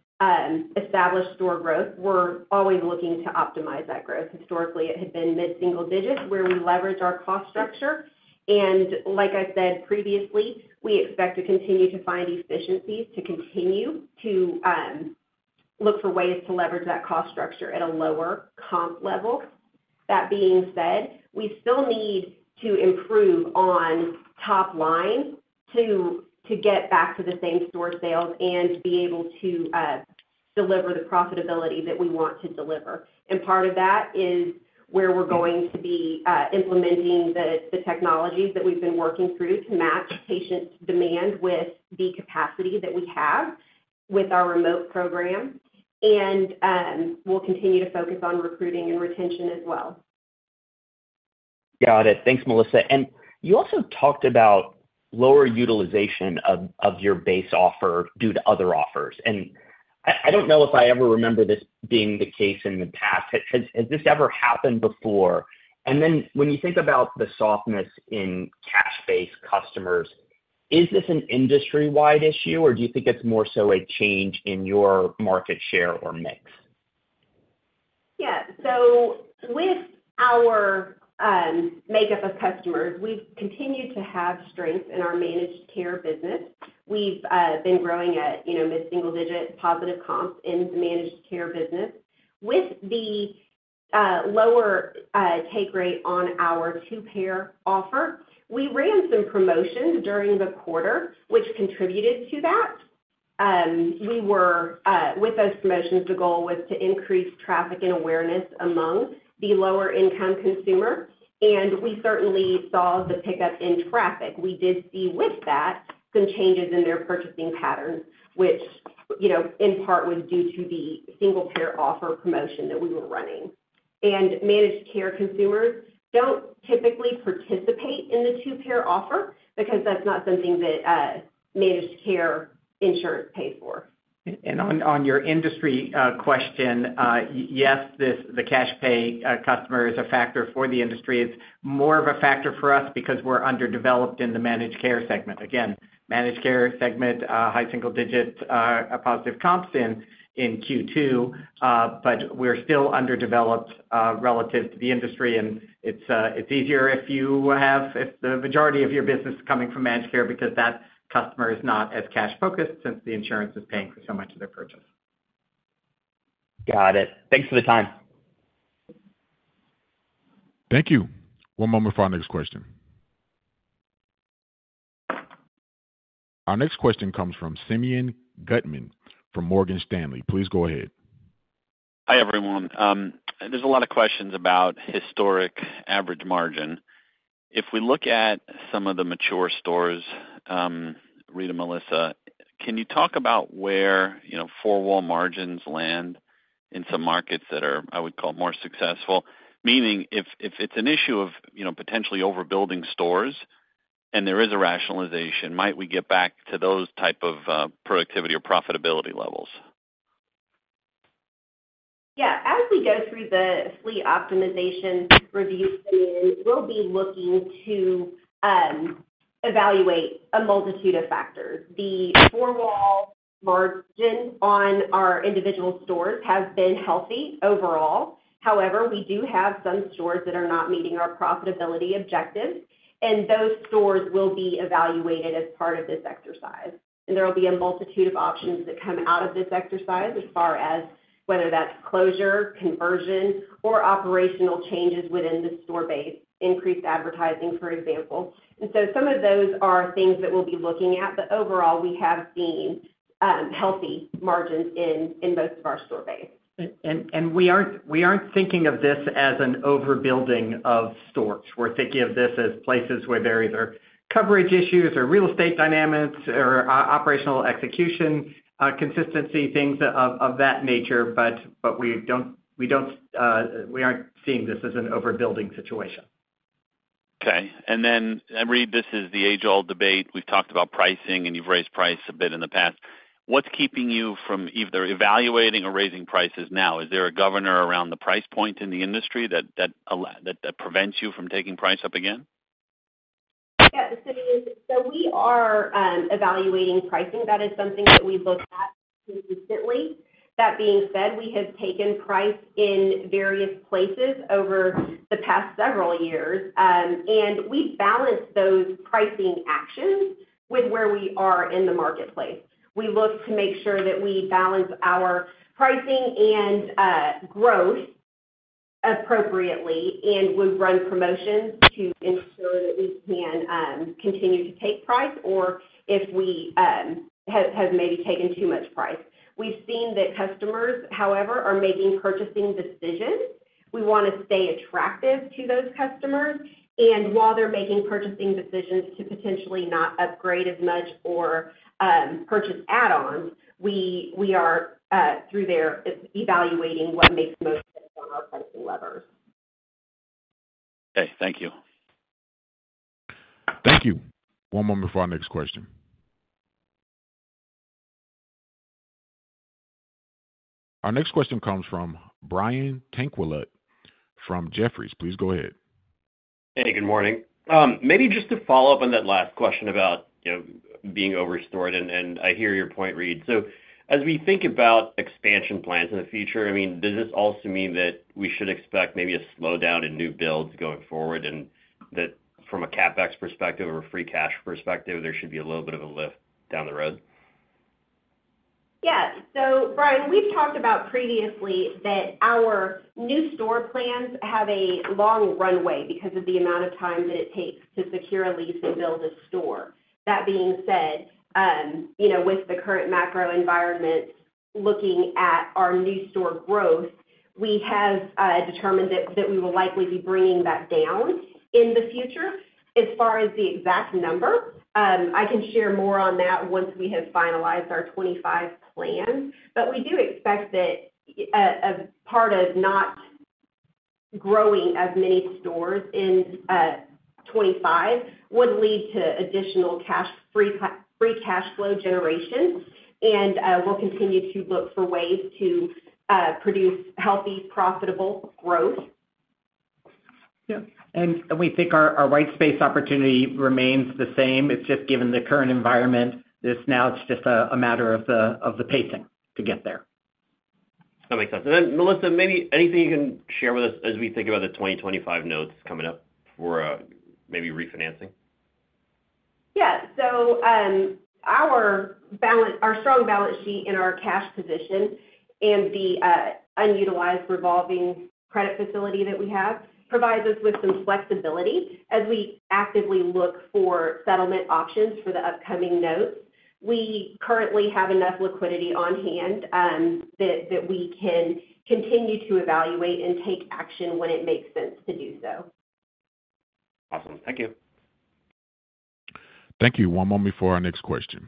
Speaker 4: established store growth, we're always looking to optimize that growth. Historically, it had been mid-single digits, where we leverage our cost structure, and like I said previously, we expect to continue to find efficiencies, to continue to look for ways to leverage that cost structure at a lower comp level. That being said, we still need to improve on top line to get back to the same-store sales and be able to deliver the profitability that we want to deliver. Part of that is where we're going to be implementing the technologies that we've been working through to match patients' demand with the capacity that we have with our remote program, and we'll continue to focus on recruiting and retention as well.
Speaker 9: Got it. Thanks, Melissa. And you also talked about lower utilization of your base offer due to other offers, and I don't know if I ever remember this being the case in the past. Has this ever happened before? And then when you think about the softness in cash-based customers, is this an industry-wide issue, or do you think it's more so a change in your market share or mix?
Speaker 4: Yeah. So with our makeup of customers, we've continued to have strength in our managed care business. We've been growing at, you know, mid-single-digit positive comps in the managed care business. With the lower take rate on our two-pair offer, we ran some promotions during the quarter, which contributed to that. We were with those promotions, the goal was to increase traffic and awareness among the lower income consumer, and we certainly saw the pickup in traffic. We did see with that, some changes in their purchasing patterns, which, you know, in part, was due to the single-pair offer promotion that we were running. And managed care consumers don't typically participate in the two-pair offer because that's not something that managed care insurers pay for.
Speaker 3: On your industry question, yes, this—the cash pay customer is a factor for the industry. It's more of a factor for us because we're underdeveloped in the managed care segment. Again, managed care segment, high single digits positive comps in Q2. But we're still underdeveloped relative to the industry, and it's easier if you have... If the majority of your business is coming from managed care, because that customer is not as cash focused since the insurance is paying for so much of their purchase.
Speaker 9: Got it. Thanks for the time.
Speaker 1: Thank you. One moment for our next question. Our next question comes from Simeon Gutman from Morgan Stanley. Please go ahead.
Speaker 10: Hi, everyone. There's a lot of questions about historic average margin. If we look at some of the mature stores, Reade and Melissa, can you talk about where, you know, four-wall margins land in some markets that are, I would call, more successful? Meaning if it's an issue of, you know, potentially overbuilding stores and there is a rationalization, might we get back to those type of productivity or profitability levels?
Speaker 4: Yeah. As we go through the fleet optimization review phase, we'll be looking to evaluate a multitude of factors. The four-wall margin on our individual stores has been healthy overall. However, we do have some stores that are not meeting our profitability objectives, and those stores will be evaluated as part of this exercise. There will be a multitude of options that come out of this exercise as far as whether that's closure, conversion, or operational changes within the store base, increased advertising, for example. So some of those are things that we'll be looking at, but overall, we have seen healthy margins in most of our store base.
Speaker 3: We aren't thinking of this as an overbuilding of stores. We're thinking of this as places where there either coverage issues or real estate dynamics or operational execution, consistency, things of that nature. But we aren't seeing this as an overbuilding situation.
Speaker 10: Okay. Then, Reade, this is the age-old debate. We've talked about pricing, and you've raised price a bit in the past... What's keeping you from either evaluating or raising prices now? Is there a governor around the price point in the industry that prevents you from taking price up again?
Speaker 4: Yeah, so we are evaluating pricing. That is something that we look at consistently. That being said, we have taken price in various places over the past several years. And we balance those pricing actions with where we are in the marketplace. We look to make sure that we balance our pricing and growth appropriately, and we run promotions to ensure that we can continue to take price or if we have maybe taken too much price. We've seen that customers, however, are making purchasing decisions. We wanna stay attractive to those customers, and while they're making purchasing decisions to potentially not upgrade as much or purchase add-ons, we are through there evaluating what makes the most sense on our pricing levers.
Speaker 10: Okay, thank you.
Speaker 1: Thank you. One moment before our next question. Our next question comes from Brian Tanquilut from Jefferies. Please go ahead.
Speaker 11: Hey, good morning. Maybe just to follow up on that last question about, you know, being overstored, and I hear your point, Reade. So as we think about expansion plans in the future, I mean, does this also mean that we should expect maybe a slowdown in new builds going forward, and that from a CapEx perspective or a free cash perspective, there should be a little bit of a lift down the road?
Speaker 4: Yeah. So Brian, we've talked about previously that our new store plans have a long runway because of the amount of time that it takes to secure a lease and build a store. That being said, you know, with the current macro environment, looking at our new store growth, we have determined that we will likely be bringing that down in the future. As far as the exact number, I can share more on that once we have finalized our 2025 plan. But we do expect that a part of not growing as many stores in 2025 would lead to additional cash free cash flow generation, and we'll continue to look for ways to produce healthy, profitable growth.
Speaker 3: Yeah, and we think our white space opportunity remains the same. It's just given the current environment, it's now just a matter of the pacing to get there.
Speaker 11: That makes sense. And then, Melissa, maybe anything you can share with us as we think about the 2025 notes coming up for, maybe refinancing?
Speaker 4: Yeah. So, our strong balance sheet and our cash position and the unutilized revolving credit facility that we have provides us with some flexibility as we actively look for settlement options for the upcoming notes. We currently have enough liquidity on hand that we can continue to evaluate and take action when it makes sense to do so.
Speaker 11: Awesome. Thank you.
Speaker 1: Thank you. One moment before our next question.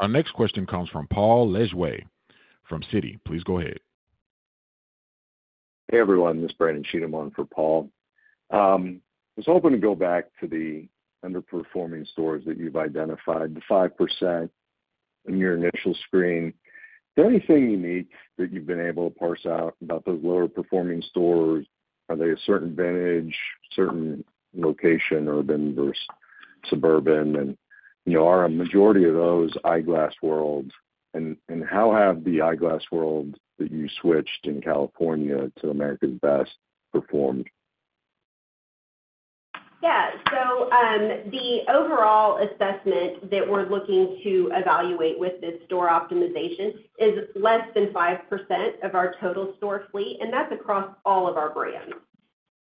Speaker 1: Our next question comes from Paul Lejuez from Citi. Please go ahead.
Speaker 12: Hey, everyone, this is Brandon Cheatham on for Paul. I was hoping to go back to the underperforming stores that you've identified, the 5% in your initial screen. Is there anything unique that you've been able to parse out about those lower performing stores? Are they a certain vintage, certain location, urban versus suburban? And, you know, are a majority of those Eyeglass Worlds, and, and how have the Eyeglass Worlds that you switched in California to America's Best performed?
Speaker 4: Yeah. So, the overall assessment that we're looking to evaluate with this store optimization is less than 5% of our total store fleet, and that's across all of our brands.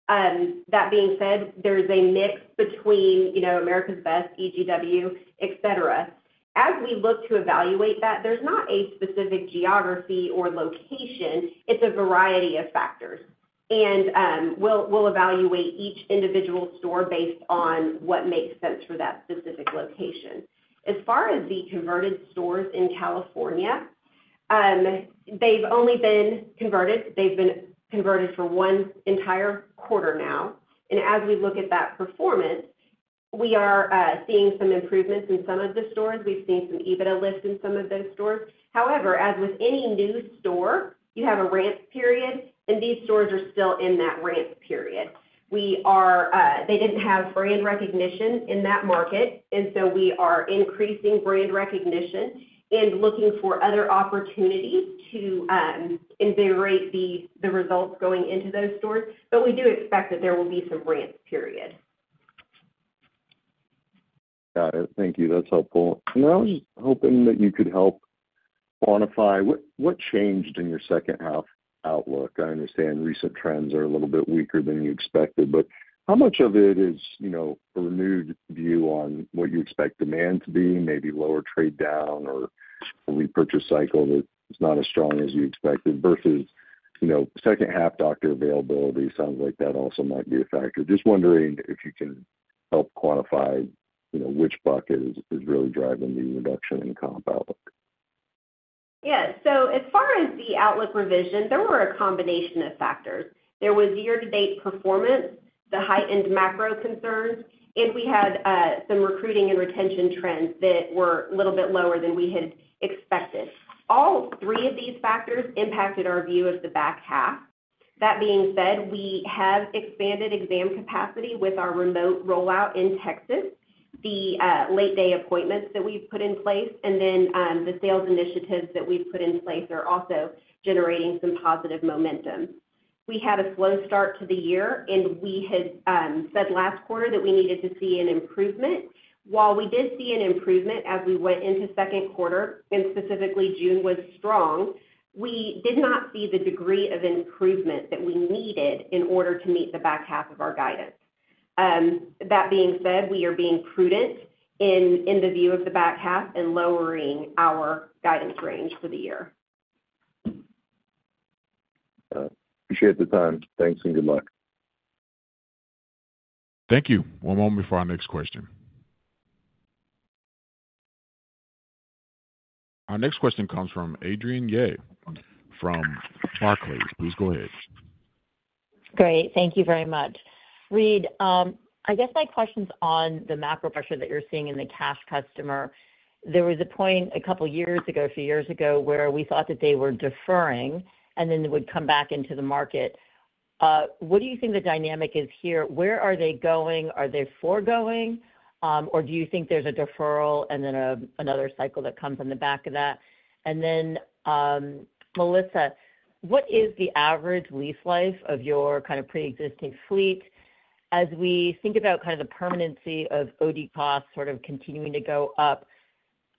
Speaker 4: That being said, there's a mix between, you know, America's Best, EGW, et cetera. As we look to evaluate that, there's not a specific geography or location, it's a variety of factors. And, we'll, we'll evaluate each individual store based on what makes sense for that specific location. As far as the converted stores in California, they've only been converted... They've been converted for one entire quarter now, and as we look at that performance, we are seeing some improvements in some of the stores. We've seen some EBITDA lift in some of those stores. However, as with any new store, you have a ramp period, and these stores are still in that ramp period. We are, they didn't have brand recognition in that market, and so we are increasing brand recognition and looking for other opportunities to, invigorate the results going into those stores. But we do expect that there will be some ramp period.
Speaker 12: Got it. Thank you. That's helpful. And I was hoping that you could help quantify what, what changed in your second half outlook? I understand recent trends are a little bit weaker than you expected, but how much of it is, you know, a renewed view on what you expect demand to be, maybe lower trade down or a repurchase cycle that is not as strong as you expected, versus, you know, second half doctor availability? Sounds like that also might be a factor. Just wondering if you can help quantify, you know, which bucket is, is really driving the reduction in comp outlook....
Speaker 4: Yeah, so as far as the outlook revision, there were a combination of factors. There was year-to-date performance, the heightened macro concerns, and we had some recruiting and retention trends that were a little bit lower than we had expected. All three of these factors impacted our view of the back half. That being said, we have expanded exam capacity with our remote rollout in Texas, the late-day appointments that we've put in place, and then the sales initiatives that we've put in place are also generating some positive momentum. We had a slow start to the year, and we had said last quarter that we needed to see an improvement. While we did see an improvement as we went into second quarter, and specifically June was strong, we did not see the degree of improvement that we needed in order to meet the back half of our guidance. That being said, we are being prudent in the view of the back half and lowering our guidance range for the year.
Speaker 12: Appreciate the time. Thanks, and good luck.
Speaker 1: Thank you. One moment before our next question. Our next question comes from Adrienne Yih from Barclays. Please go ahead.
Speaker 13: Great. Thank you very much. Reade, I guess my question's on the macro pressure that you're seeing in the cash customer. There was a point a couple years ago, a few years ago, where we thought that they were deferring, and then they would come back into the market. What do you think the dynamic is here? Where are they going? Are they foregoing, or do you think there's a deferral and then a, another cycle that comes on the back of that? And then, Melissa, what is the average lease life of your kind of preexisting fleet? As we think about kind of the permanency of OD costs sort of continuing to go up,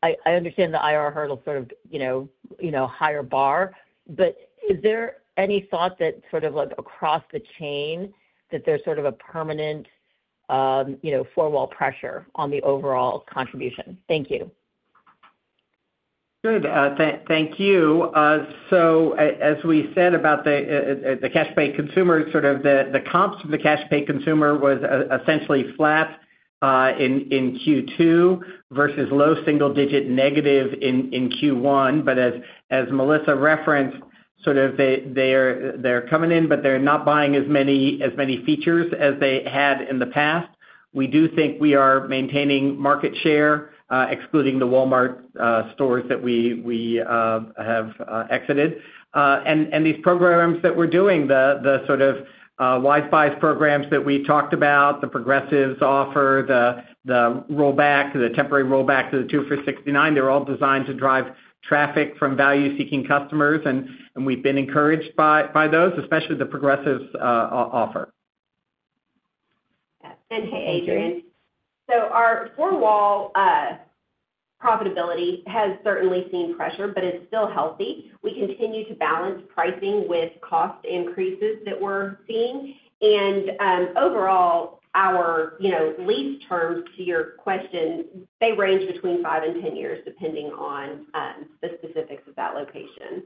Speaker 13: I, I understand the IR hurdle sort of, you know, you know, higher bar, but is there any thought that sort of, like, across the chain, that there's sort of a permanent, you know, four-wall pressure on the overall contribution? Thank you.
Speaker 3: Good. Thank you. So as we said about the cash pay consumer, sort of the comps from the cash pay consumer was essentially flat in Q2 versus low single-digit negative in Q1. But as Melissa referenced, sort of they're coming in, but they're not buying as many features as they had in the past. We do think we are maintaining market share excluding the Walmart stores that we have exited. And these programs that we're doing, the sort of Wise Buys programs that we talked about, the progressives offer, the rollback, the temporary rollback to the 2 for $69, they're all designed to drive traffic from value-seeking customers, and we've been encouraged by those, especially the progressives offer.
Speaker 4: Yeah. And hey, Adrienne-
Speaker 13: Okay.
Speaker 4: So our four-wall profitability has certainly seen pressure, but it's still healthy. We continue to balance pricing with cost increases that we're seeing. And overall, our you know lease terms, to your question, they range between five and 10 years, depending on the specifics of that location.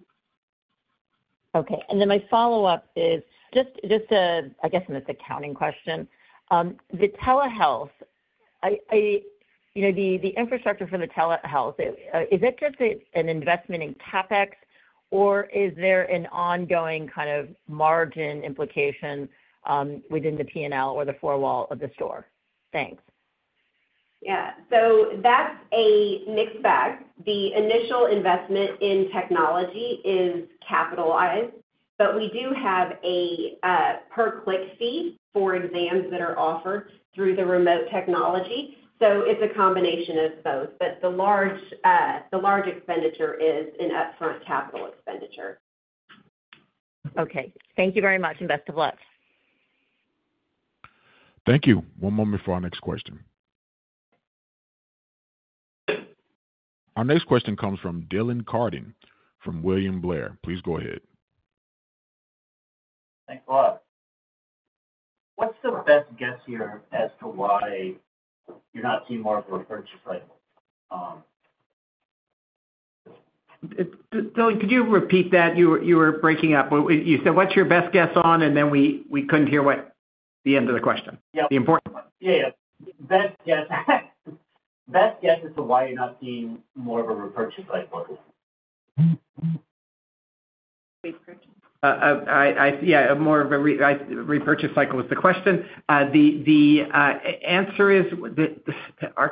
Speaker 13: Okay, and then my follow-up is just, I guess an accounting question. The telehealth, you know, the infrastructure for the telehealth, is it just a, an investment in CapEx, or is there an ongoing kind of margin implication, within the P&L or the four-wall of the store? Thanks.
Speaker 4: Yeah. So that's a mixed bag. The initial investment in technology is capitalized, but we do have a per-click fee for exams that are offered through the remote technology, so it's a combination of both. But the large expenditure is an upfront capital expenditure.
Speaker 13: Okay. Thank you very much, and best of luck.
Speaker 1: Thank you. One moment before our next question. Our next question comes from Dylan Carden, from William Blair. Please go ahead.
Speaker 14: Thanks a lot. What's the best guess here as to why you're not seeing more of a repurchase cycle?
Speaker 3: Dylan, could you repeat that? You were, you were breaking up. You said, "What's your best guess on," and then we, we couldn't hear what the end of the question-
Speaker 14: Yeah.
Speaker 3: The important part.
Speaker 14: Yeah, yeah. Best guess, best guess as to why you're not seeing more of a repurchase cycle.
Speaker 4: Repurchase.
Speaker 3: Yeah, more of a repurchase cycle was the question. Our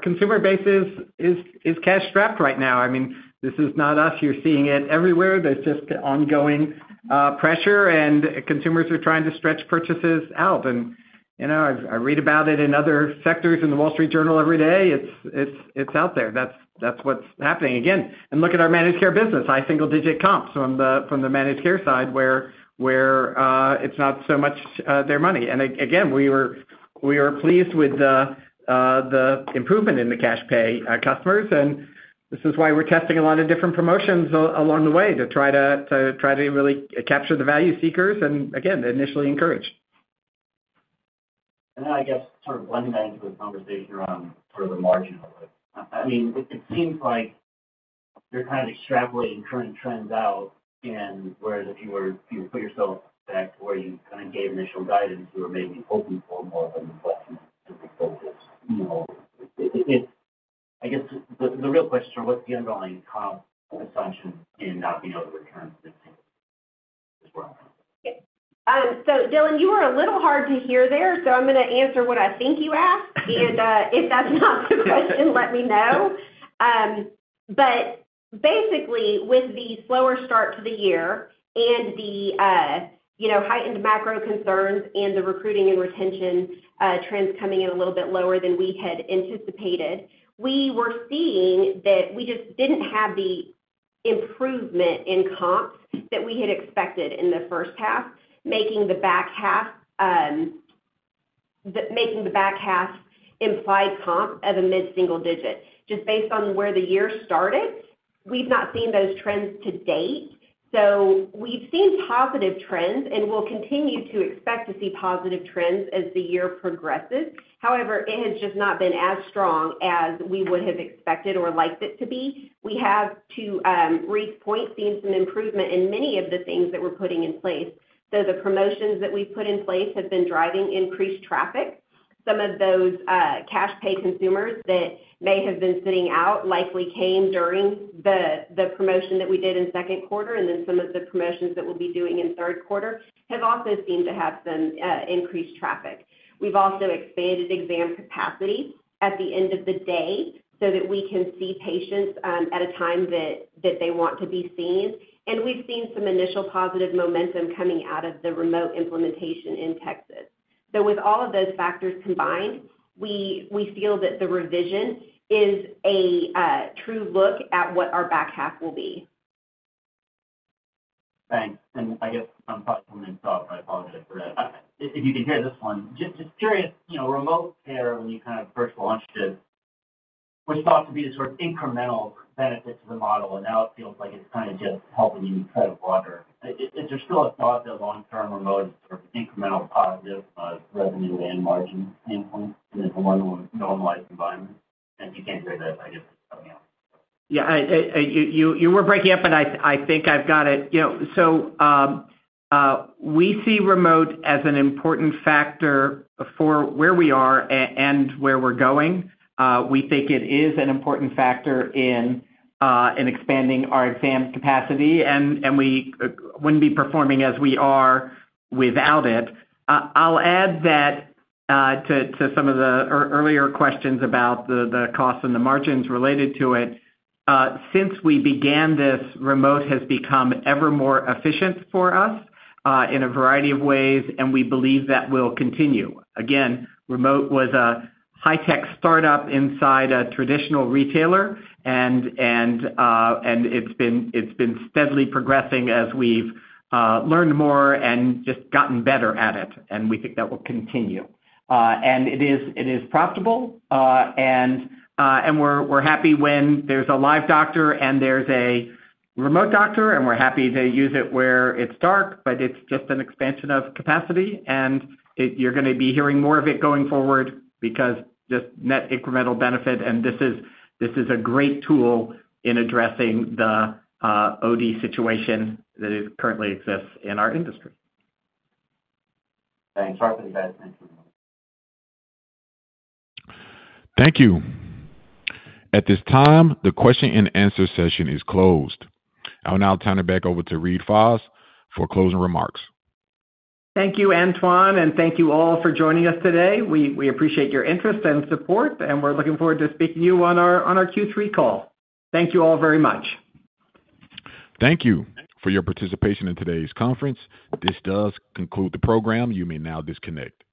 Speaker 3: consumer base is cash-strapped right now. I mean, this is not us. You're seeing it everywhere. There's just ongoing pressure, and consumers are trying to stretch purchases out. And, you know, I read about it in other sectors in the Wall Street Journal every day. It's out there. That's what's happening. Again, and look at our managed care business, high single digit comps from the managed care side, where it's not so much their money. Again, we were, we are pleased with the improvement in the cash pay customers, and this is why we're testing a lot of different promotions along the way, to try to, to try to really capture the value seekers, and again, they're initially encouraged.
Speaker 14: And then I guess sort of blending that into the conversation around sort of the margin of it. I mean, it seems like you're kind of extrapolating current trends. And whereas if you were, if you put yourself back to where you kind of gave initial guidance, you were maybe hoping for more of a reflection to refocus. You know, it—I guess the real question, what's the underlying comp assumption in not being able to return to the same as well?
Speaker 4: So Dylan, you were a little hard to hear there, so I'm gonna answer what I think you asked. And if that's not the question, let me know. But basically, with the slower start to the year and the, you know, heightened macro concerns and the recruiting and retention trends coming in a little bit lower than we had anticipated, we were seeing that we just didn't have the improvement in comps that we had expected in the first half, making the back half imply comp of a mid-single digit. Just based on where the year started, we've not seen those trends to date. So we've seen positive trends, and we'll continue to expect to see positive trends as the year progresses. However, it has just not been as strong as we would have expected or liked it to be. We have to Reade's point, seeing some improvement in many of the things that we're putting in place. So the promotions that we've put in place have been driving increased traffic. Some of those cash paid consumers that may have been sitting out likely came during the promotion that we did in second quarter, and then some of the promotions that we'll be doing in third quarter have also seemed to have some increased traffic. We've also expanded exam capacity at the end of the day, so that we can see patients at a time that they want to be seen, and we've seen some initial positive momentum coming out of the remote implementation in Texas. So with all of those factors combined, we feel that the revision is a true look at what our back half will be.
Speaker 14: Thanks, and I guess I'm probably coming in strong, but I apologize for that. If you can hear this one, just curious, you know, remote care, when you kind of first launched it, was thought to be the sort of incremental benefit to the model, and now it feels like it's kind of just helping you tread water. Is there still a thought that long-term remote is sort of incremental positive of revenue and margin standpoint in a more normalized environment? And if you can't hear that, I guess I'm out.
Speaker 3: Yeah, you were breaking up, but I think I've got it. You know, we see remote as an important factor for where we are and where we're going. We think it is an important factor in expanding our exam capacity, and we wouldn't be performing as we are without it. I'll add that to some of the earlier questions about the costs and the margins related to it. Since we began this, remote has become ever more efficient for us in a variety of ways, and we believe that will continue. Again, remote was a high-tech startup inside a traditional retailer, and it's been steadily progressing as we've learned more and just gotten better at it, and we think that will continue. And it is profitable, and we're happy when there's a live doctor and there's a remote doctor, and we're happy to use it where it's dark, but it's just an expansion of capacity. And it—you're gonna be hearing more of it going forward because just net incremental benefit, and this is a great tool in addressing the OD situation that currently exists in our industry.
Speaker 14: Thanks. Sorry for the bad connection.
Speaker 1: Thank you. At this time, the question and answer session is closed. I'll now turn it back over to Reade Fahs for closing remarks.
Speaker 3: Thank you, Antoine, and thank you all for joining us today. We appreciate your interest and support, and we're looking forward to speaking to you on our Q3 call. Thank you all very much.
Speaker 1: Thank you for your participation in today's conference. This does conclude the program. You may now disconnect.